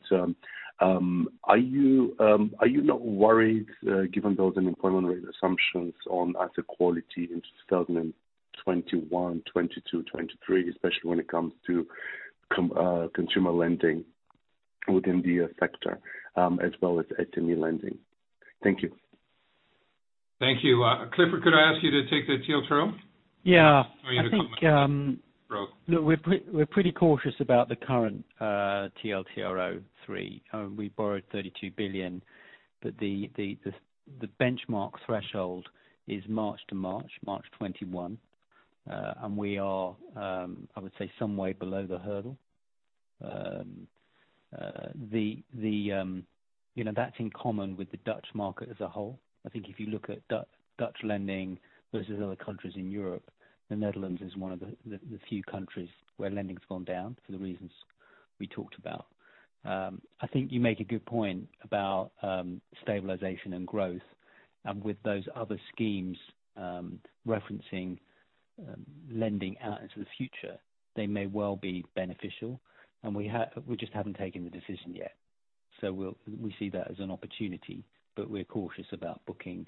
are you not worried, given those unemployment rate assumptions on asset quality in 2021, 2022, 2023, especially when it comes to consumer lending within the sector as well as SME lending? Thank you. Thank you. Clifford, could I ask you to take the TLTRO? Yeah. I mean, the comment. I think- Bro. Look, we're pretty cautious about the current TLTRO III. We borrowed 32 billion, but the benchmark threshold is March to March 2021. We are, I would say, some way below the hurdle. That's in common with the Dutch market as a whole. I think if you look at Dutch lending versus other countries in Europe, the Netherlands is one of the few countries where lending's gone down for the reasons we talked about. I think you make a good point about stabilization and growth. With those other schemes referencing lending out into the future, they may well be beneficial, and we just haven't taken the decision yet. We see that as an opportunity, but we're cautious about booking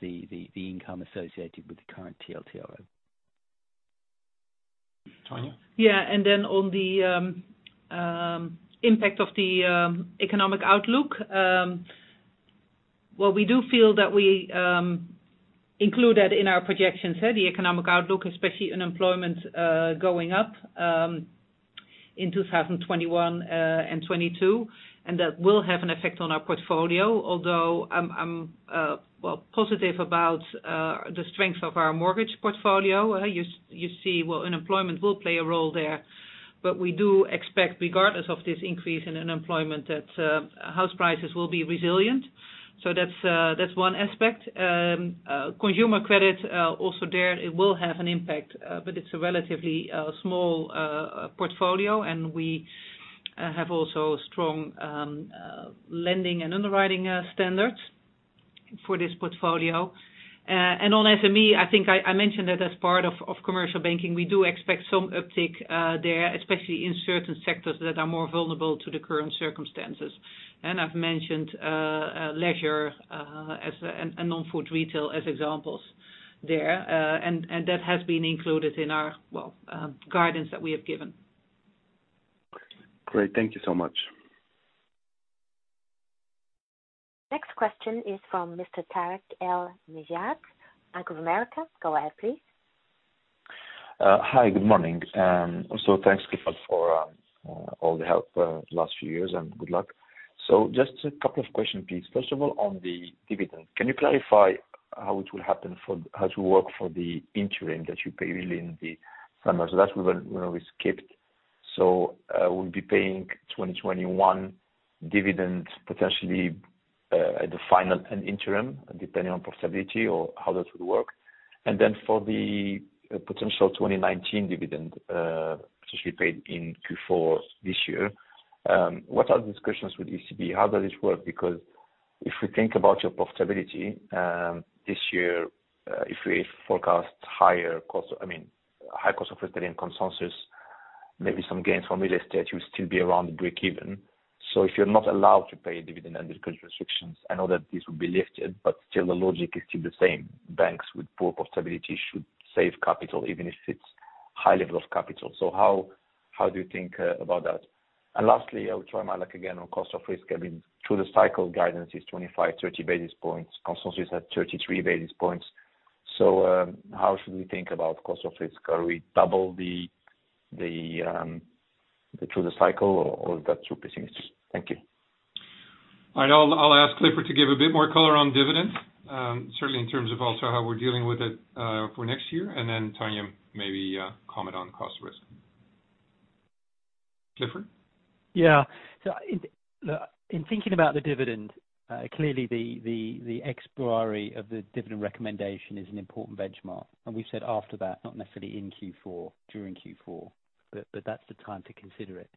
the income associated with the current TLTRO. Tanja. On the impact of the economic outlook, well, we do feel that we include that in our projections, the economic outlook, especially unemployment going up in 2021 and 2022, that will have an effect on our portfolio. I'm positive about the strength of our mortgage portfolio. You see, unemployment will play a role there, we do expect, regardless of this increase in unemployment, that house prices will be resilient. That's one aspect. Consumer credit, also there, it will have an impact, it's a relatively small portfolio, we have also strong lending and underwriting standards for this portfolio. On SME, I think I mentioned it as part of commercial banking. We do expect some uptick there, especially in certain sectors that are more vulnerable to the current circumstances. I've mentioned leisure and non-food retail as examples there. That has been included in our guidance that we have given. Great. Thank you so much. Next question is from Mr. Tarik El Mejjad, Bank of America. Go ahead, please. Hi. Good morning. Also, thanks Clifford for all the help last few years, and good luck. Just a couple of questions, please. First of all, on the dividend, can you clarify how to work for the interim that you pay in the summer? That's when we skipped. We'll be paying 2021 dividends, potentially, at the final and interim, depending on profitability or how that would work. For the potential 2019 dividend, potentially paid in Q4 this year, what are the discussions with ECB? How does this work? If we think about your profitability this year, if we forecast higher cost, I mean, high cost of consensus, maybe some gains from real estate, you'll still be around breakeven. If you're not allowed to pay a dividend under current restrictions, I know that this would be lifted, but still the logic is still the same. Banks with poor profitability should save capital, even if it's high levels of capital. How do you think about that? Lastly, I will try my luck again on cost of risk. Through the cycle, guidance is 25, 30 basis points. Consensus had 33 basis points. How should we think about cost of risk? Are we double the through the cycle or is that too pessimistic? Thank you. All right. I'll ask Clifford to give a bit more color on dividends, certainly in terms of also how we're dealing with it for next year. Tanja, maybe comment on cost risk. Clifford. In thinking about the dividend, clearly the expiry of the dividend recommendation is an important benchmark. We've said after that, not necessarily in Q4, during Q4, but that's the time to consider it.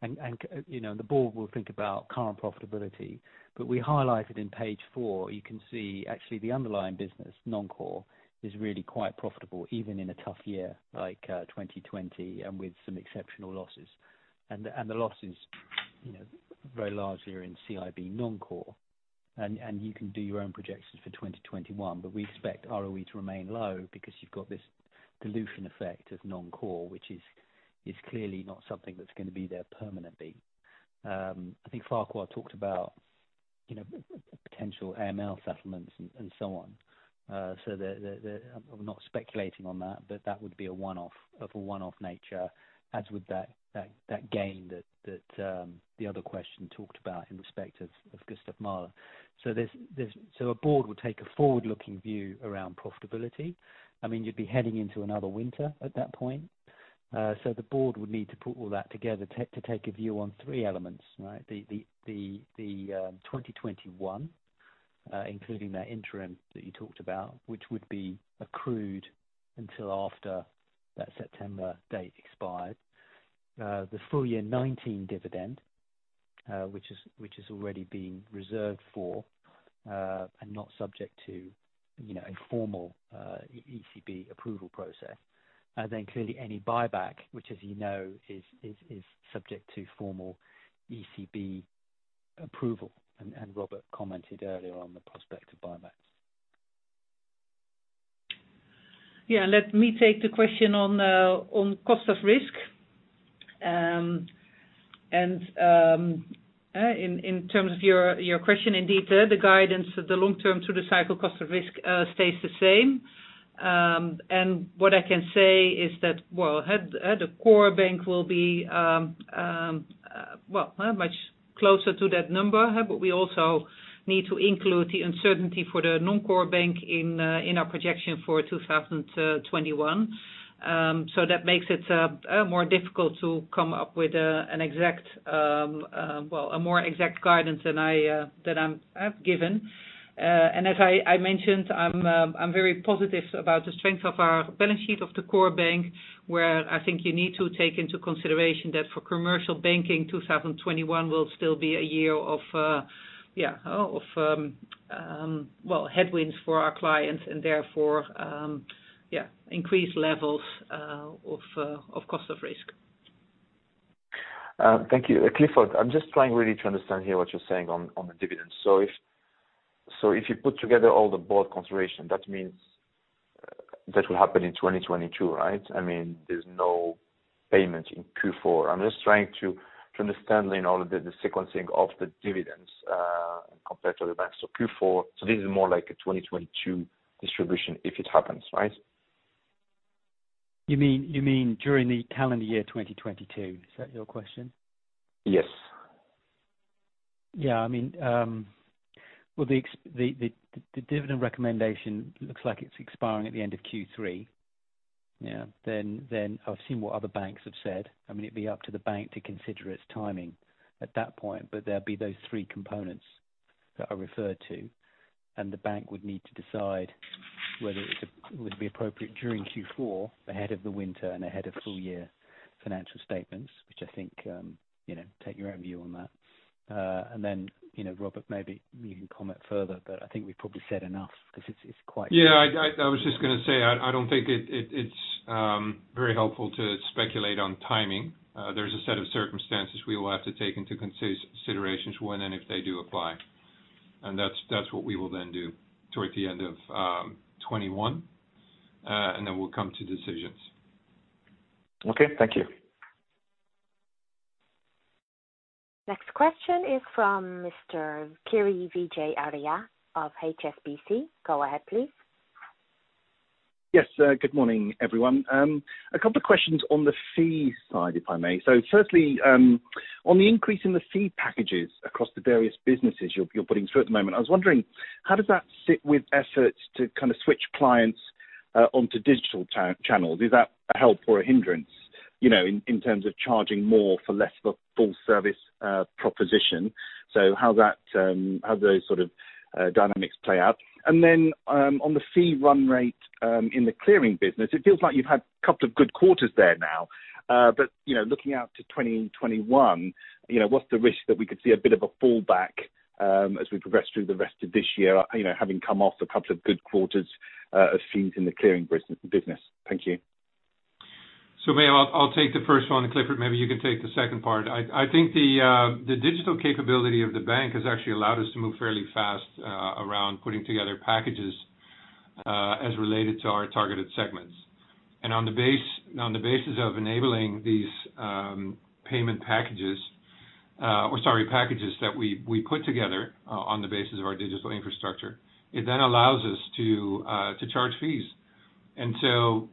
The board will think about current profitability. We highlighted in page four, you can see actually the underlying business, non-core, is really quite profitable, even in a tough year like 2020 and with some exceptional losses. The losses very largely are in CIB non-core. You can do your own projections for 2021, but we expect ROE to remain low because you've got this dilution effect of non-core, which is clearly not something that's going to be there permanently. I think Farquhar talked about potential AML settlements and so on. I'm not speculating on that, but that would be of a one-off nature, as would that gain that the other question talked about in respect of Gustav Mahler. A board would take a forward-looking view around profitability. You'd be heading into another winter at that point. The board would need to put all that together to take a view on three elements. The 2021, including that interim that you talked about, which would be accrued until after that September date expired. The full year 2019 dividend, which is already being reserved for and not subject to a formal ECB approval process. Clearly any buyback, which as you know, is subject to formal ECB approval. Robert commented earlier on the prospect of buybacks. Yeah. Let me take the question on cost of risk. In terms of your question in detail, the guidance, the long term through the cycle cost of risk stays the same. What I can say is that, well, the core bank will be much closer to that number, but we also need to include the uncertainty for the non-core bank in our projection for 2021. That makes it more difficult to come up with a more exact guidance than I've given. As I mentioned, I'm very positive about the strength of our balance sheet of the core bank, where I think you need to take into consideration that for commercial banking, 2021 will still be a year of headwinds for our clients and therefore increased levels of cost of risk. Thank you. Clifford, I'm just trying really to understand here what you're saying on the dividends. If you put together all the board consideration, that means that will happen in 2022, right? There's no payment in Q4. I'm just trying to understand all of the sequencing of the dividends compared to the banks. Q4, so this is more like a 2022 distribution if it happens, right? You mean during the calendar year 2022, is that your question? Yes. The dividend recommendation looks like it's expiring at the end of Q3. I've seen what other banks have said. It'd be up to the bank to consider its timing at that point, but there'd be those three components that I referred to, and the bank would need to decide whether it would be appropriate during Q4, ahead of the winter and ahead of full year financial statements, which I think, take your own view on that. Robert, maybe you can comment further, but I think we've probably said enough. Yeah, I was just going to say, I don't think it's very helpful to speculate on timing. There's a set of circumstances we will have to take into considerations when and if they do apply. That's what we will then do toward the end of 2021, and then we'll come to decisions. Okay. Thank you. Next question is from Mr. Kiri Vijayarajah of HSBC. Go ahead, please. Yes. Good morning, everyone. A couple of questions on the fee side, if I may. Firstly, on the increase in the fee packages across the various businesses you're putting through at the moment, I was wondering, how does that sit with efforts to switch clients onto digital channels? Is that a help or a hindrance, in terms of charging more for less of a full service proposition? How those sort of dynamics play out. On the fee run rate in the clearing business, it feels like you've had a couple of good quarters there now. Looking out to 2021, what's the risk that we could see a bit of a fallback as we progress through the rest of this year, having come off a couple of good quarters of fees in the clearing business. Thank you. Maybe, I'll take the first one, and Clifford, maybe you can take the second part. I think the digital capability of the bank has actually allowed us to move fairly fast around putting together packages as related to our targeted segments. On the basis of enabling these packages that we put together on the basis of our digital infrastructure, it then allows us to charge fees.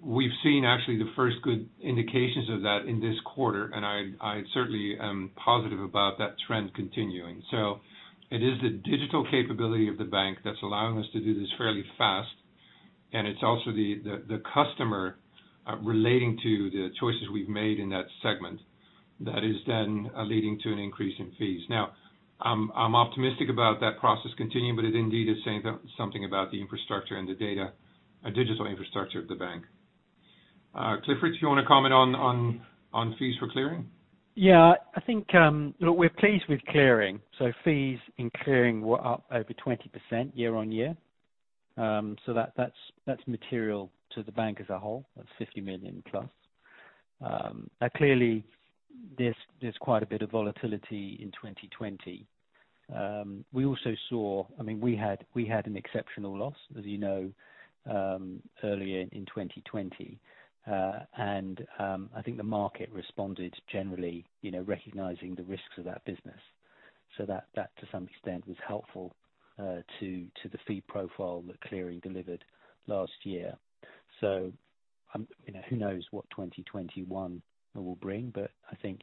We've seen actually the first good indications of that in this quarter, and I certainly am positive about that trend continuing. It is the digital capability of the bank that's allowing us to do this fairly fast, and it's also the customer relating to the choices we've made in that segment that is then leading to an increase in fees. I'm optimistic about that process continuing, but it indeed is saying something about the infrastructure and the data, digital infrastructure of the bank. Clifford, do you want to comment on fees for clearing? Yeah. We're pleased with clearing. Fees in clearing were up over 20% year-over-year. That's material to the bank as a whole. That's 50 million plus. Clearly, there's quite a bit of volatility in 2020. We also saw, we had an exceptional loss, as you know, earlier in 2020. I think the market responded generally, recognizing the risks of that business. That to some extent was helpful to the fee profile that clearing delivered last year. Who knows what 2021 will bring. I think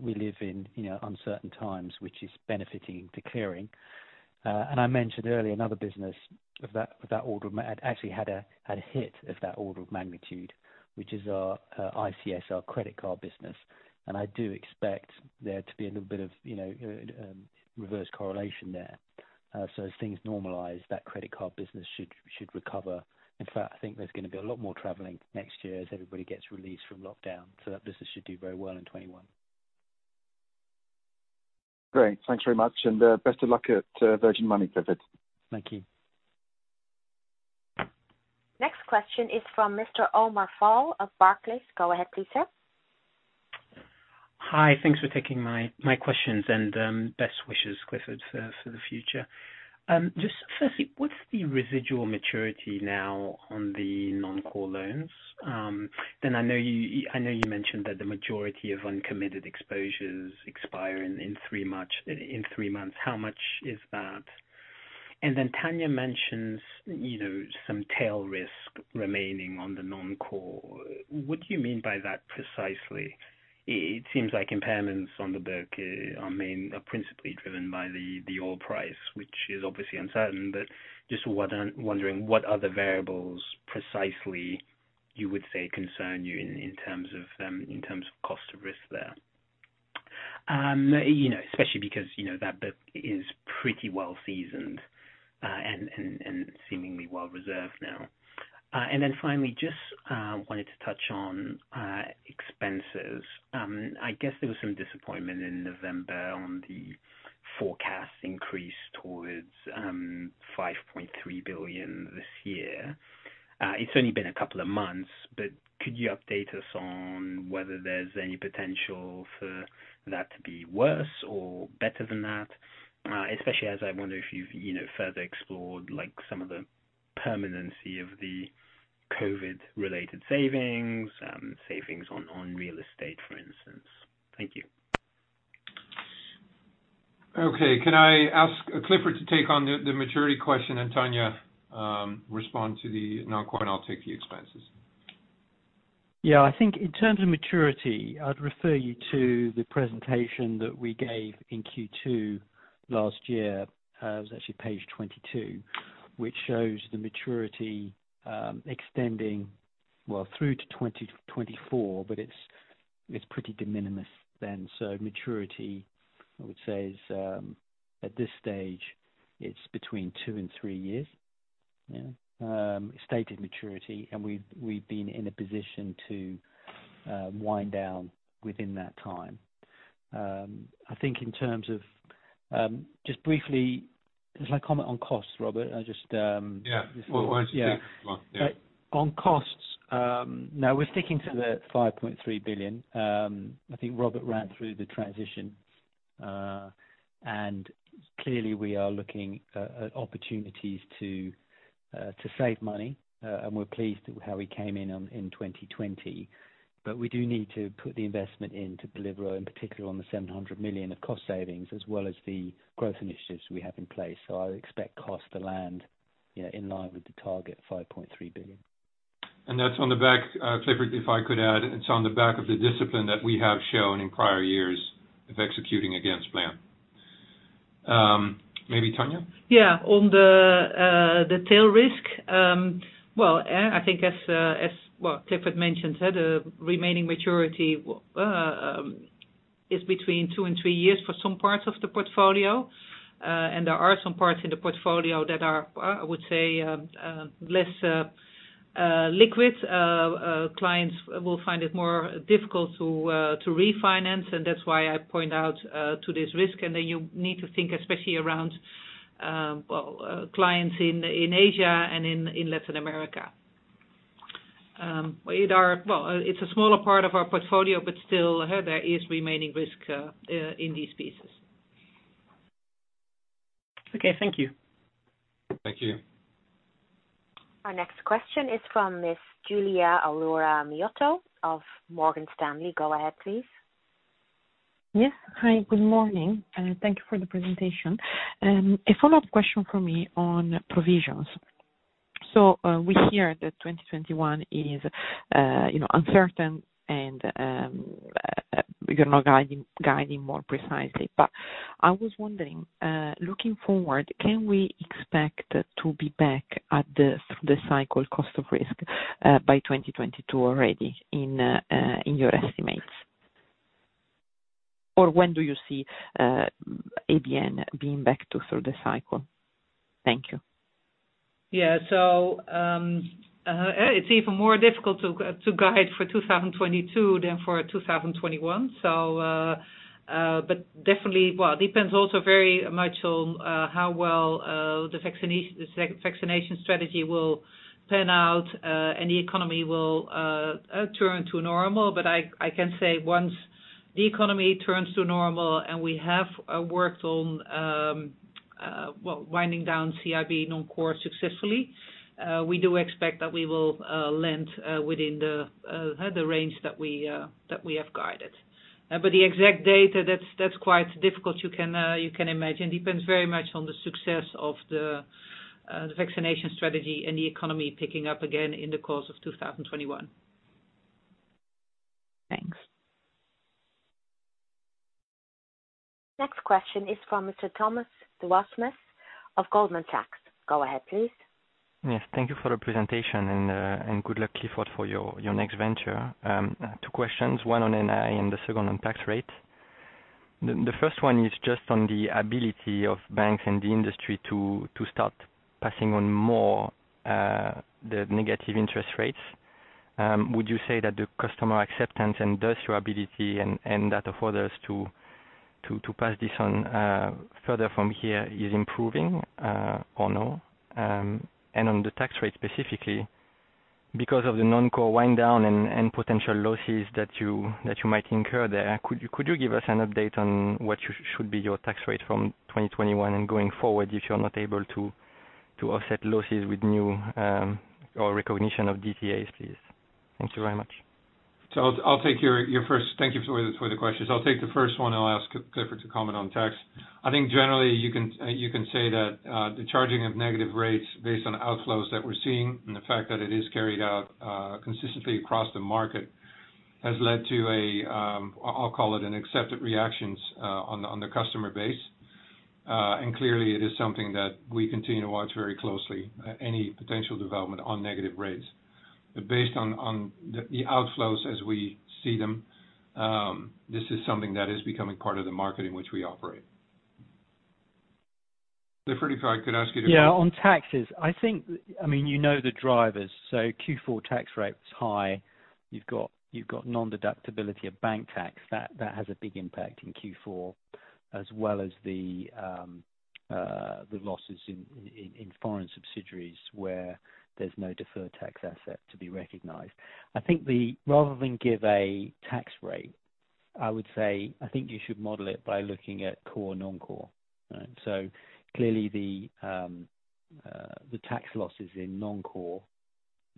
we live in uncertain times, which is benefiting the clearing. I mentioned earlier, another business of that order actually had a hit of that order of magnitude, which is our ICS credit card business. I do expect there to be a little bit of reverse correlation there. As things normalize, that credit card business should recover. In fact, I think there's going to be a lot more traveling next year as everybody gets released from lockdown. That business should do very well in 2021. Great. Thanks very much. Best of luck at Virgin Money, Clifford. Thank you. Next question is from Mr. Omar Fall of Barclays. Go ahead, please, sir. Hi. Thanks for taking my questions and best wishes, Clifford, for the future. Just firstly, what's the residual maturity now on the non-core loans? I know you mentioned that the majority of uncommitted exposures expire in three months. How much is that? Tanja mentions some tail risk remaining on the non-core. What do you mean by that precisely? It seems like impairments on the book are principally driven by the oil price, which is obviously uncertain. Just wondering what other variables precisely you would say concern you in terms of cost of risk there. Especially because that book is pretty well seasoned, and seemingly well reserved now. Finally, just wanted to touch on expenses. I guess there was some disappointment in November on the forecast increase towards 5.3 billion this year. It's only been a couple of months, but could you update us on whether there's any potential for that to be worse or better than that? Especially as I wonder if you've further explored some of the permanency of the COVID related savings on real estate, for instance. Thank you. Okay. Can I ask Clifford to take on the maturity question and Tanja, respond to the non-core, and I'll take the expenses. Yeah, I think in terms of maturity, I'd refer you to the presentation that we gave in Q2 last year. It was actually page 22, which shows the maturity extending well through to 2024, it's pretty de minimis then. Maturity, I would say is, at this stage, it's between two and three years. Stated maturity, we've been in a position to wind down within that time. Just briefly, if I comment on costs, Robert. Yeah. Well, why don't you take that one? Yeah. On costs, no we're sticking to the 5.3 billion. I think Robert ran through the transition. Clearly we are looking at opportunities to save money, and we're pleased with how we came in in 2020. We do need to put the investment into, [inaudible] in particular on the 700 million of cost savings, as well as the growth initiatives we have in place. I expect cost to land in line with the target 5.3 billion. That's on the back, Clifford, if I could add, it's on the back of the discipline that we have shown in prior years of executing against plan. Maybe Tanja? Yeah. On the tail risk, well, I think as Clifford mentioned, the remaining maturity is between two and three years for some parts of the portfolio. There are some parts in the portfolio that are, I would say, less liquid. Clients will find it more difficult to refinance, and that's why I point out to this risk. You need to think, especially around clients in Asia and in Latin America. It's a smaller part of our portfolio, but still there is remaining risk in these pieces. Okay. Thank you. Thank you. Our next question is from Miss Giulia Aurora Miotto of Morgan Stanley. Go ahead, please. Yes. Hi, good morning, and thank you for the presentation. A follow-up question for me on provisions. We hear that 2021 is uncertain and you're not guiding more precisely. I was wondering, looking forward, can we expect to be back at the cycle cost of risk by 2022 already in your estimates? When do you see ABN being back to through the cycle? Thank you. It's even more difficult to guide for 2022 than for 2021. Definitely, well, it depends also very much on how well the vaccination strategy will pan out and the economy will return to normal. I can say once the economy returns to normal and we have worked on winding down CIB non-core successfully, we do expect that we will land within the range that we have guided. The exact date, that's quite difficult. You can imagine. Depends very much on the success of the vaccination strategy and the economy picking up again in the course of 2021. Thanks. Next question is from Mr. Thomas Dewasmes of Goldman Sachs. Go ahead, please. Yes, thank you for the presentation and good luck, Clifford, for your next venture. Two questions, one on NII and the second on tax rate. The first one is just on the ability of banks and the industry to start passing on more the negative interest rates. Would you say that the customer acceptance and thus your ability and that of others to pass this on further from here is improving or no? On the tax rate, specifically, because of the non-core wind down and potential losses that you might incur there, could you give us an update on what should be your tax rate from 2021 and going forward, if you're not able to offset losses with new or recognition of DTAs, please? Thank you very much. Thank you for the questions. I'll take the first one, and I'll ask Clifford to comment on tax. I think generally you can say that the charging of negative rates based on outflows that we're seeing and the fact that it is carried out consistently across the market, has led to a, I'll call it an accepted reactions on the customer base. Clearly it is something that we continue to watch very closely, any potential development on negative rates. Based on the outflows as we see them, this is something that is becoming part of the market in which we operate. Clifford, if I could ask you to- Yeah. On taxes, you know the drivers. Q4 tax rate was high. You've got non-deductibility of bank tax. That has a big impact in Q4 as well as the losses in foreign subsidiaries where there's no deferred tax asset to be recognized. I think rather than give a tax rate, I would say, I think you should model it by looking at core and non-core. Clearly the tax losses in non-core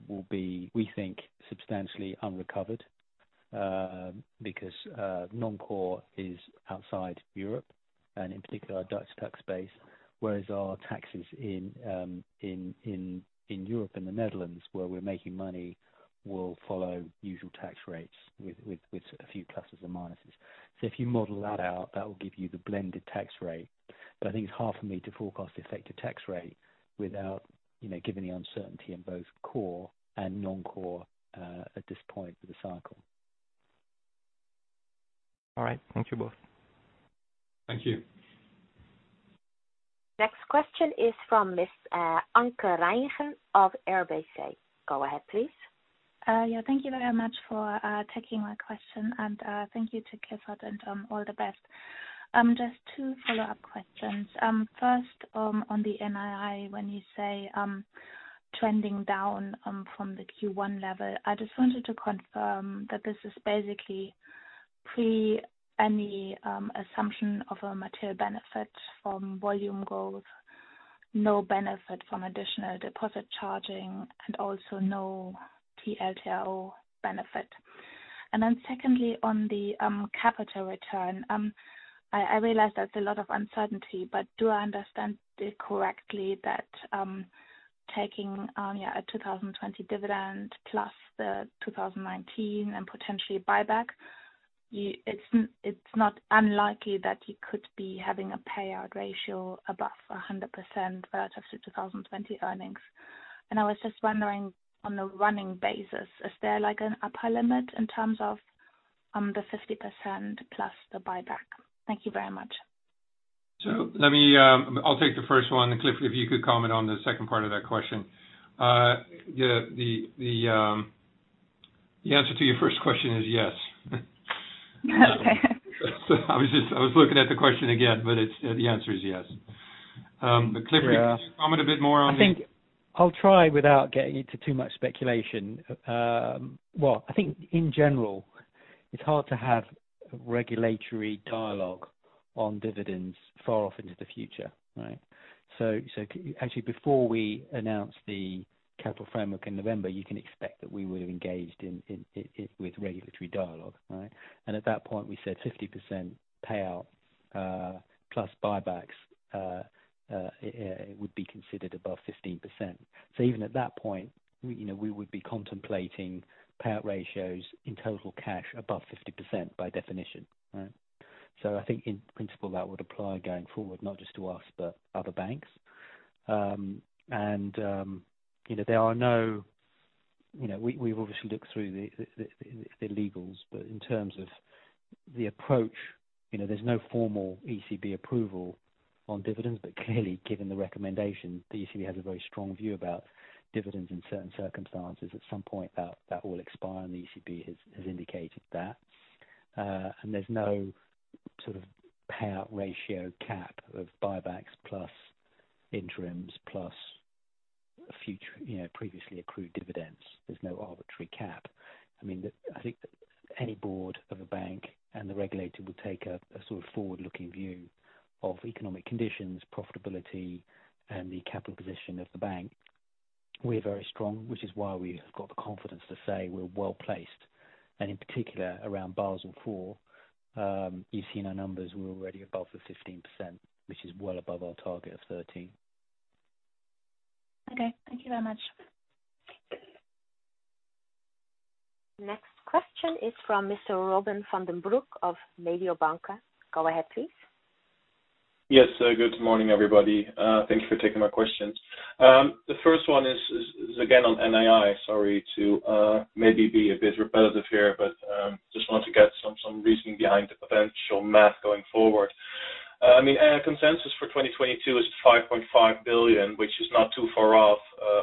will be, we think, substantially unrecovered because non-core is outside Europe and in particular our Dutch tax base, whereas our taxes in Europe and the Netherlands where we're making money, will follow usual tax rates with a few pluses and minuses. If you model that out, that will give you the blended tax rate. I think it's hard for me to forecast effective tax rate given the uncertainty in both core and non-core at this point of the cycle. All right. Thank you both. Thank you. Next question is from Miss Anke Reingen of RBC. Go ahead, please. Yeah. Thank you very much for taking my question and thank you to Clifford and all the best. Just two follow-up questions. First on the NII, when you say trending down from the Q1 level, I just wanted to confirm that this is basically pre any assumption of a material benefit from volume growth, no benefit from additional deposit charging, and also no TLTRO benefit. Then secondly, on the capital return. I realize there's a lot of uncertainty, but do I understand it correctly that taking a 2020 dividend plus the 2019 and potentially buyback, it's not unlikely that you could be having a payout ratio above 100% relative to 2020 earnings? I was just wondering on a running basis, is there an upper limit in terms of the 50% plus the buyback? Thank you very much. I'll take the first one, and Clifford, if you could comment on the second part of that question. The answer to your first question is yes. Okay. I was looking at the question again, but the answer is yes. Clifford, could you comment a bit more on the? I'll try without getting into too much speculation. Well, I think in general, it's hard to have regulatory dialogue on dividends far off into the future, right? Actually, before we announce the capital framework in November, you can expect that we would've engaged with regulatory dialogue, right? At that point, we said 50% payout plus buybacks would be considered above 15%. Even at that point, we would be contemplating payout ratios in total cash above 50% by definition. I think in principle, that would apply going forward, not just to us, but other banks. We've obviously looked through the legals, but in terms of the approach, there's no formal ECB approval on dividends. Clearly, given the recommendation, the ECB has a very strong view about dividends in certain circumstances. At some point, that will expire, and the ECB has indicated that. There's no sort of payout ratio cap of buybacks plus interims plus previously accrued dividends. There's no arbitrary cap. I think that any board of a bank and the regulator would take a sort of forward-looking view of economic conditions, profitability, and the capital position of the bank. We're very strong, which is why we have got the confidence to say we're well-placed. In particular, around Basel IV. You've seen our numbers, we're already above the 15%, which is well above our target of 13. Okay. Thank you very much. Next question is from Mr. Robin van den Broek of Mediobanca. Go ahead, please. Yes. Good morning, everybody. Thank you for taking my questions. The first one is again on NII. Sorry to maybe be a bit repetitive here, but just wanted to get some reasoning behind the potential math going forward. Consensus for 2022 is 5.5 billion, which is not too far off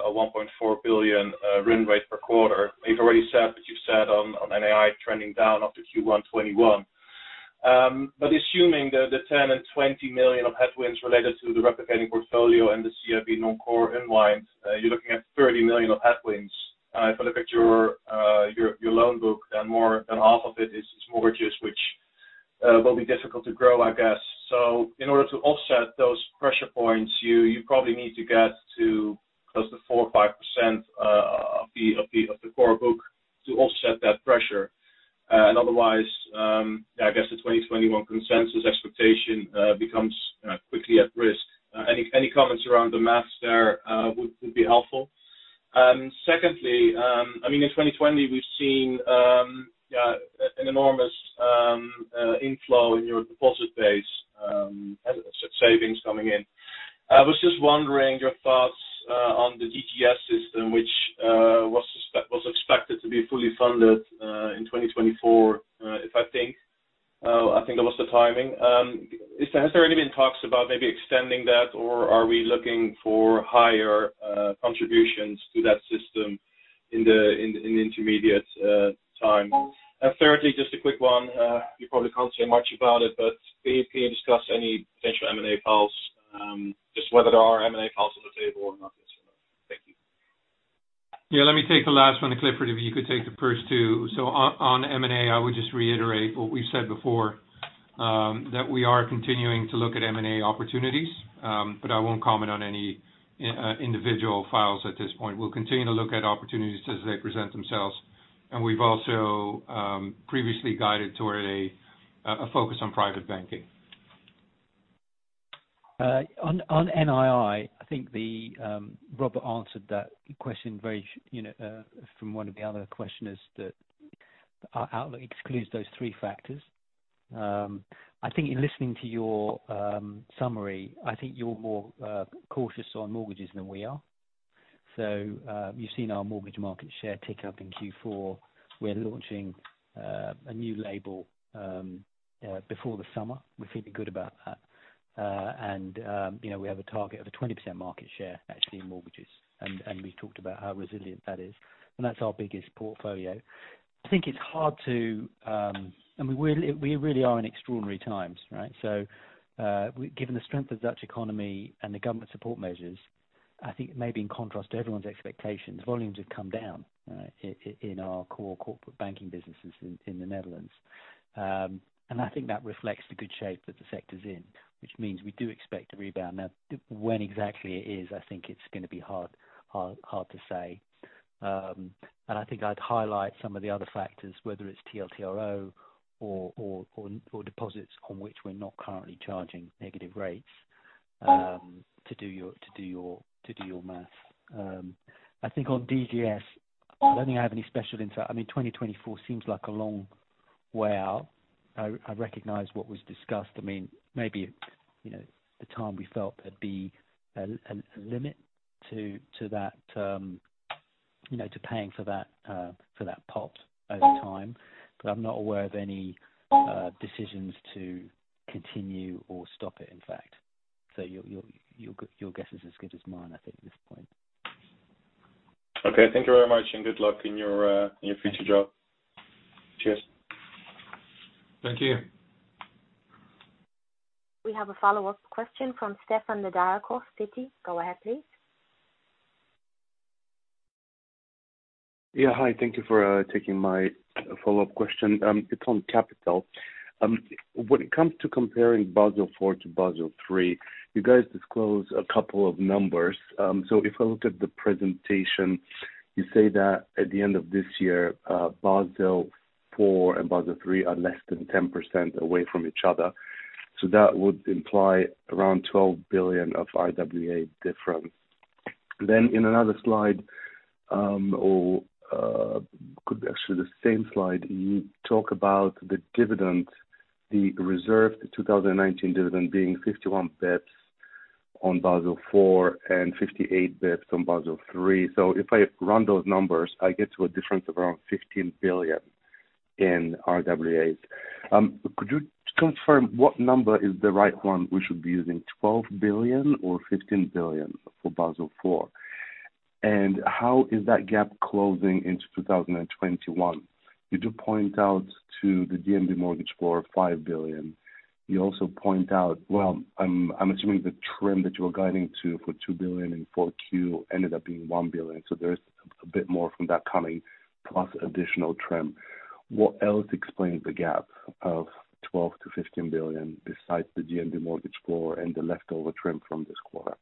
a 1.4 billion run rate per quarter. You've already said what you've said on NII trending down after Q1 2021. Assuming that the 10 million and 20 million of headwinds related to the replicating portfolio and the CIB non-core unwind, you're looking at 30 million of headwinds. If I look at your loan book, more than half of it is mortgages, which will be difficult to grow, I guess. In order to offset those pressure points, you probably need to get to close to 4% or 5% of the core book to offset that pressure. Otherwise, I guess the 2021 consensus expectation becomes quickly at risk. Any comments around the maths there would be helpful. Secondly, in 2020, we've seen an enormous inflow in your deposit base, savings coming in. I was just wondering your thoughts on the DGS system, which was expected to be fully funded in 2024, if I think that was the timing. Has there been talks about maybe extending that, or are we looking for higher contributions to that system in the intermediate time? Thirdly, just a quick one. You probably can't say much about it, but can you discuss any potential M&A files, just whether there are M&A files on the table or not this year? Thank you. Yeah, let me take the last one, and Clifford, if you could take the first two. On M&A, I would just reiterate what we've said before, that we are continuing to look at M&A opportunities. I won't comment on any individual files at this point. We'll continue to look at opportunities as they present themselves, and we've also previously guided toward a focus on private banking. On NII, I think Robert answered that question from one of the other questioners, that our outlook excludes those three factors. I think in listening to your summary, I think you're more cautious on mortgages than we are. You've seen our mortgage market share tick up in Q4. We're launching a new label before the summer. We're feeling good about that. We have a target of a 20% market share actually in mortgages, and we talked about how resilient that is. That's our biggest portfolio. We really are in extraordinary times, right? Given the strength of Dutch economy and the government support measures, I think maybe in contrast to everyone's expectations, volumes have come down in our core corporate banking businesses in the Netherlands. I think that reflects the good shape that the sector's in, which means we do expect to rebound. When exactly it is, I think it's going to be hard to say. I think I'd highlight some of the other factors, whether it's TLTRO or deposits on which we're not currently charging negative rates to do your math. I think on DGS, I don't think I have any special insight. 2024 seems like a long way out. I recognize what was discussed. Maybe the time we felt there'd be a limit to paying for that pot over time. I'm not aware of any decisions to continue or stop it, in fact. Your guess is as good as mine, I think, at this point. Okay. Thank you very much, and good luck in your future job. Cheers. Thank you. We have a follow-up question from Stefan Nedialkov, Citi. Go ahead, please. Yeah. Hi, thank you for taking my follow-up question. It's on capital. When it comes to comparing Basel IV to Basel III, you guys disclose a couple of numbers. If I look at the presentation, you say that at the end of this year, Basel IV and Basel III are less than 10% away from each other. That would imply around 12 billion of RWA difference. In another slide, or could be actually the same slide, you talk about the dividend, the reserved 2019 dividend being 51 basis points on Basel IV and 58 basis points on Basel III. If I run those numbers, I get to a difference of around 15 billion in RWAs. Could you confirm what number is the right one we should be using, 12 billion or 15 billion for Basel IV? How is that gap closing into 2021? You do point out to the DNB mortgage for 5 billion. You also point out, well, I'm assuming the TRIM that you are guiding to for 2 billion in 4Q ended up being 1 billion. So there's a bit more from that coming, plus additional TRIM. What else explains the gap of 12 billion-15 billion besides the DNB mortgage floor and the leftover TRIM from this quarter?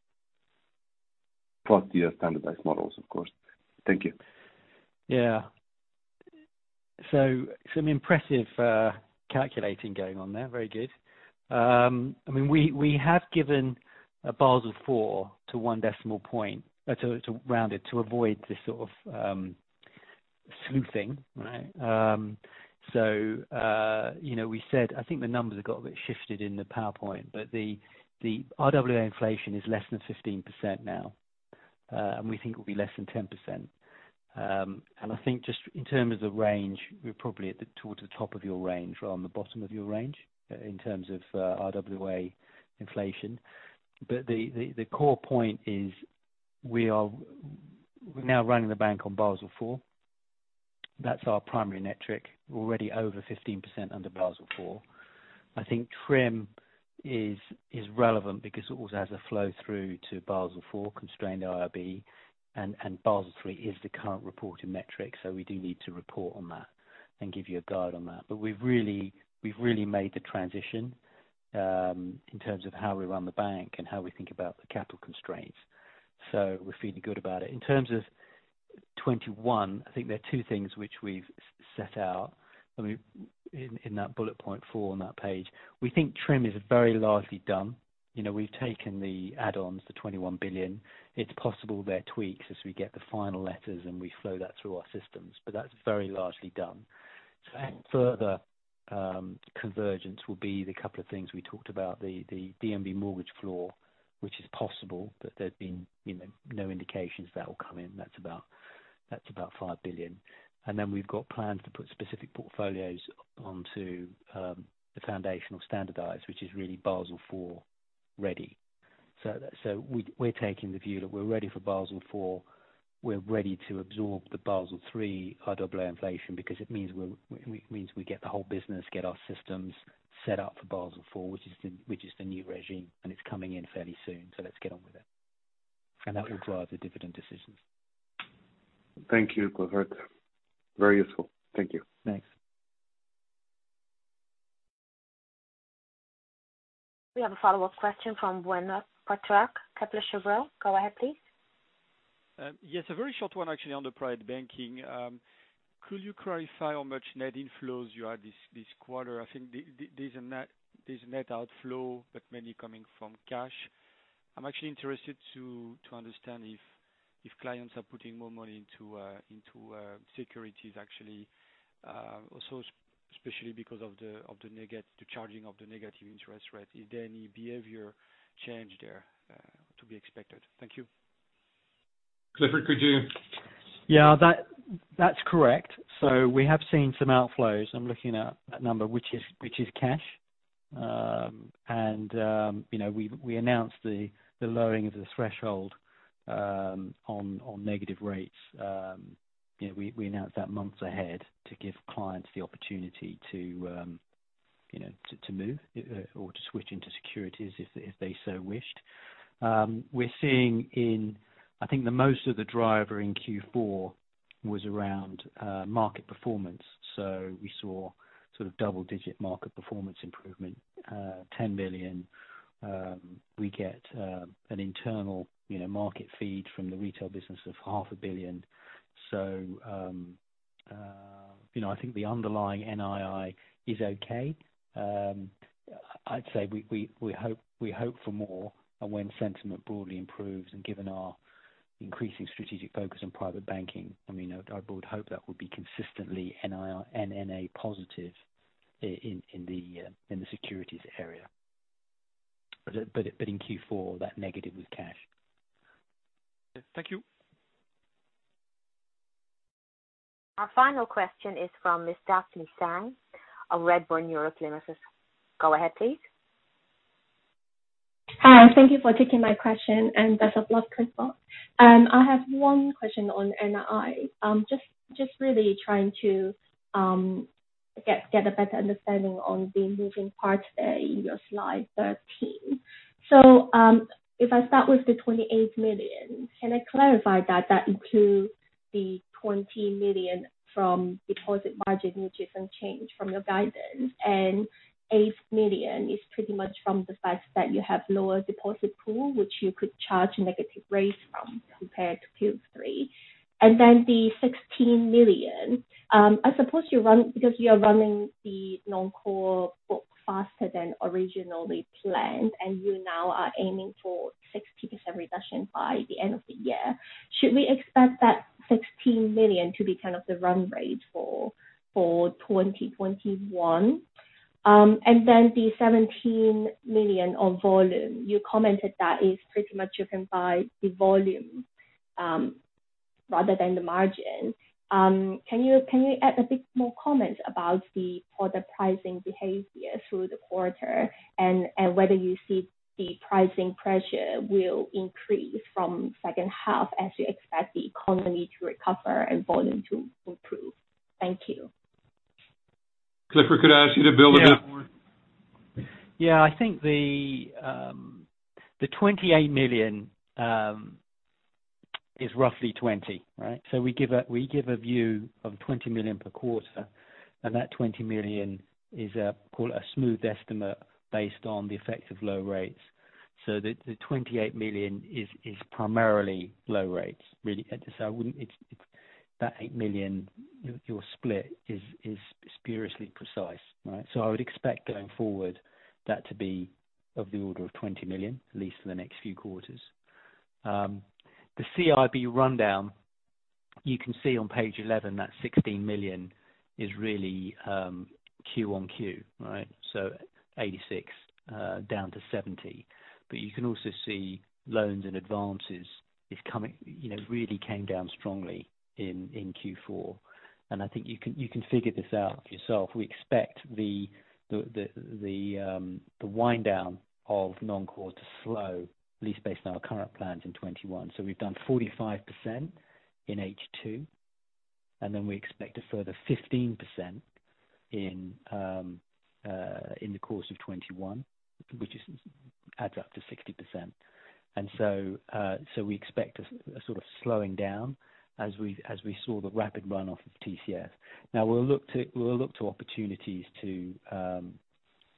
Plus your standardized models, of course. Thank you. Yeah. Some impressive calculating going on there. Very good. We have given a Basel IV to 1 decimal point, so it's rounded to avoid this sort of sleuthing. We said, I think the numbers have got a bit shifted in the PowerPoint, but the RWA inflation is less than 15% now. We think it'll be less than 10%. I think just in terms of range, we're probably towards the top of your range rather on the bottom of your range in terms of RWA inflation. The core point is we are now running the bank on Basel IV. That's our primary metric, already over 15% under Basel IV. I think TRIM is relevant because it also has a flow through to Basel IV constrained IRB, and Basel III is the current reporting metric. We do need to report on that and give you a guide on that. We've really made the transition, in terms of how we run the bank and how we think about the capital constraints. We're feeling good about it. In terms of 2021, I think there are two things which we've set out. In that bullet point 4 on that page. We think TRIM is very largely done. We've taken the add-ons, the 21 billion. It's possible there are tweaks as we get the final letters and we flow that through our systems, but that's very largely done. Any further convergence will be the couple of things we talked about, the DNB mortgage floor, which is possible, but there have been no indications that will come in. That's about 5 billion. We've got plans to put specific portfolios onto the foundational standardized, which is really Basel IV ready. We're taking the view that we're ready for Basel IV. We're ready to absorb the Basel III RWA inflation because it means we get the whole business, get our systems set up for Basel IV, which is the new regime, and it's coming in fairly soon. Let's get on with it. That will drive the dividend decisions. Thank you, Clifford. Very useful. Thank you. Thanks. We have a follow-up question from Benoît Pétrarque, Kepler Cheuvreux. Go ahead, please. Yes, a very short one, actually, on the private banking. Could you clarify how much net inflows you had this quarter? I think there's a net outflow, but mainly coming from cash. I'm actually interested to understand if clients are putting more money into securities actually. Especially because of the charging of the negative interest rate. Is there any behavior change there to be expected? Thank you. Clifford, could you. Yeah, that's correct. We have seen some outflows. I'm looking at that number, which is cash. We announced the lowering of the threshold on negative rates. We announced that months ahead to give clients the opportunity to move or to switch into securities if they so wished. We're seeing in, I think the most of the driver in Q4 was around market performance. We saw double-digit market performance improvement, 10 billion. We get an internal market feed from the retail business of half a billion. I think the underlying NII is okay. I'd say we hope for more when sentiment broadly improves and given our increasing strategic focus on private banking. Our broad hope that will be consistently NNA positive in the securities area. In Q4, that negative was cash. Thank you. Our final question is from Miss Daphne Tsang of Redburn Europe Limited. Go ahead, please. Hi. Thank you for taking my question, and best of luck, Clifford. I have one question on NII. Just really trying to get a better understanding on the moving parts there in your slide 13. If I start with the 28 million, can I clarify that that includes the 20 million from deposit margin, which isn't changed from your guidance, and 8 million is pretty much from the fact that you have lower deposit pool, which you could charge negative rates from compared to Q3. Then the 16 million, I suppose because you are running the non-core book faster than originally planned, and you now are aiming for 60% reduction by the end of the year, should we expect that 16 million to be kind of the run rate for 2021? Then the 17 million on volume. You commented that is pretty much driven by the volume rather than the margin. Can you add a bit more comment about the product pricing behavior through the quarter and whether you see the pricing pressure will increase from second half as you expect the economy to recover and volume to improve? Thank you. Clifford, could I ask you to build on that more? Yeah. I think the 28 million is roughly 20 million, right? We give a view of 20 million per quarter, and that 20 million is, call it, a smooth estimate based on the effect of low rates. The 28 million is primarily low rates, really. That 8 million, your split is spuriously precise, right? I would expect going forward that to be of the order of 20 million, at least for the next few quarters. The CIB rundown, you can see on page eleven that 16 million is really Q-on-Q, right? 86 million down to 70 million. You can also see loans and advances really came down strongly in Q4. I think you can figure this out for yourself. We expect the wind down of non-core to slow, at least based on our current plans in 2021. We've done 45% in H2, we expect a further 15% in the course of 2021, which adds up to 60%. We expect a sort of slowing down as we saw the rapid runoff of TCF. Now, we'll look to opportunities to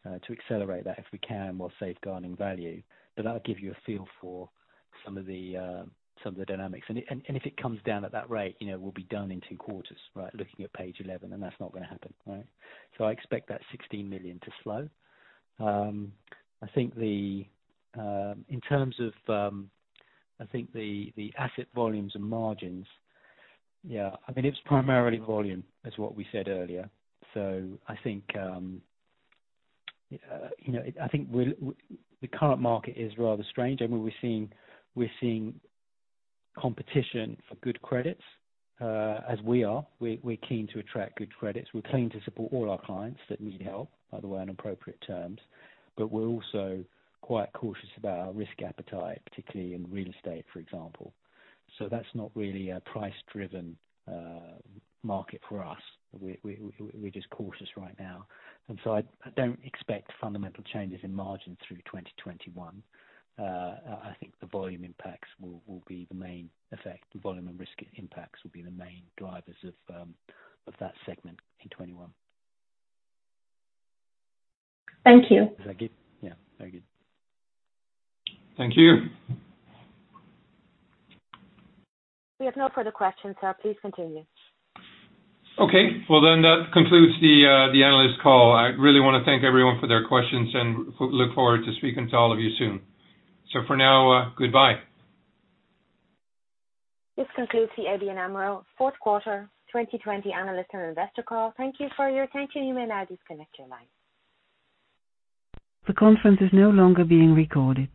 accelerate that if we can while safeguarding value. That'll give you a feel for some of the dynamics. If it comes down at that rate, we'll be done in two quarters, right? Looking at page 11, that's not going to happen, right? I expect that 16 million to slow. I think in terms of the asset volumes and margins, yeah. I mean, it's primarily volume as what we said earlier. I think the current market is rather strange. I mean, we're seeing competition for good credits. As we are, we're keen to attract good credits. We're keen to support all our clients that need help, by the way, on appropriate terms. We're also quite cautious about our risk appetite, particularly in real estate, for example. That's not really a price-driven market for us. We're just cautious right now. I don't expect fundamental changes in margin through 2021. I think the volume impacts will be the main effect. The volume and risk impacts will be the main drivers of that segment in 2021. Thank you. Is that good? Yeah. Very good. Thank you. We have no further questions, sir. Please continue. Okay. Well, that concludes the analyst call. I really want to thank everyone for their questions and look forward to speaking to all of you soon. For now, goodbye. This concludes the ABN AMRO Fourth Quarter 2020 Analyst and Investor Call. Thank you for your attention. You may now disconnect your line. The conference is no longer being recorded.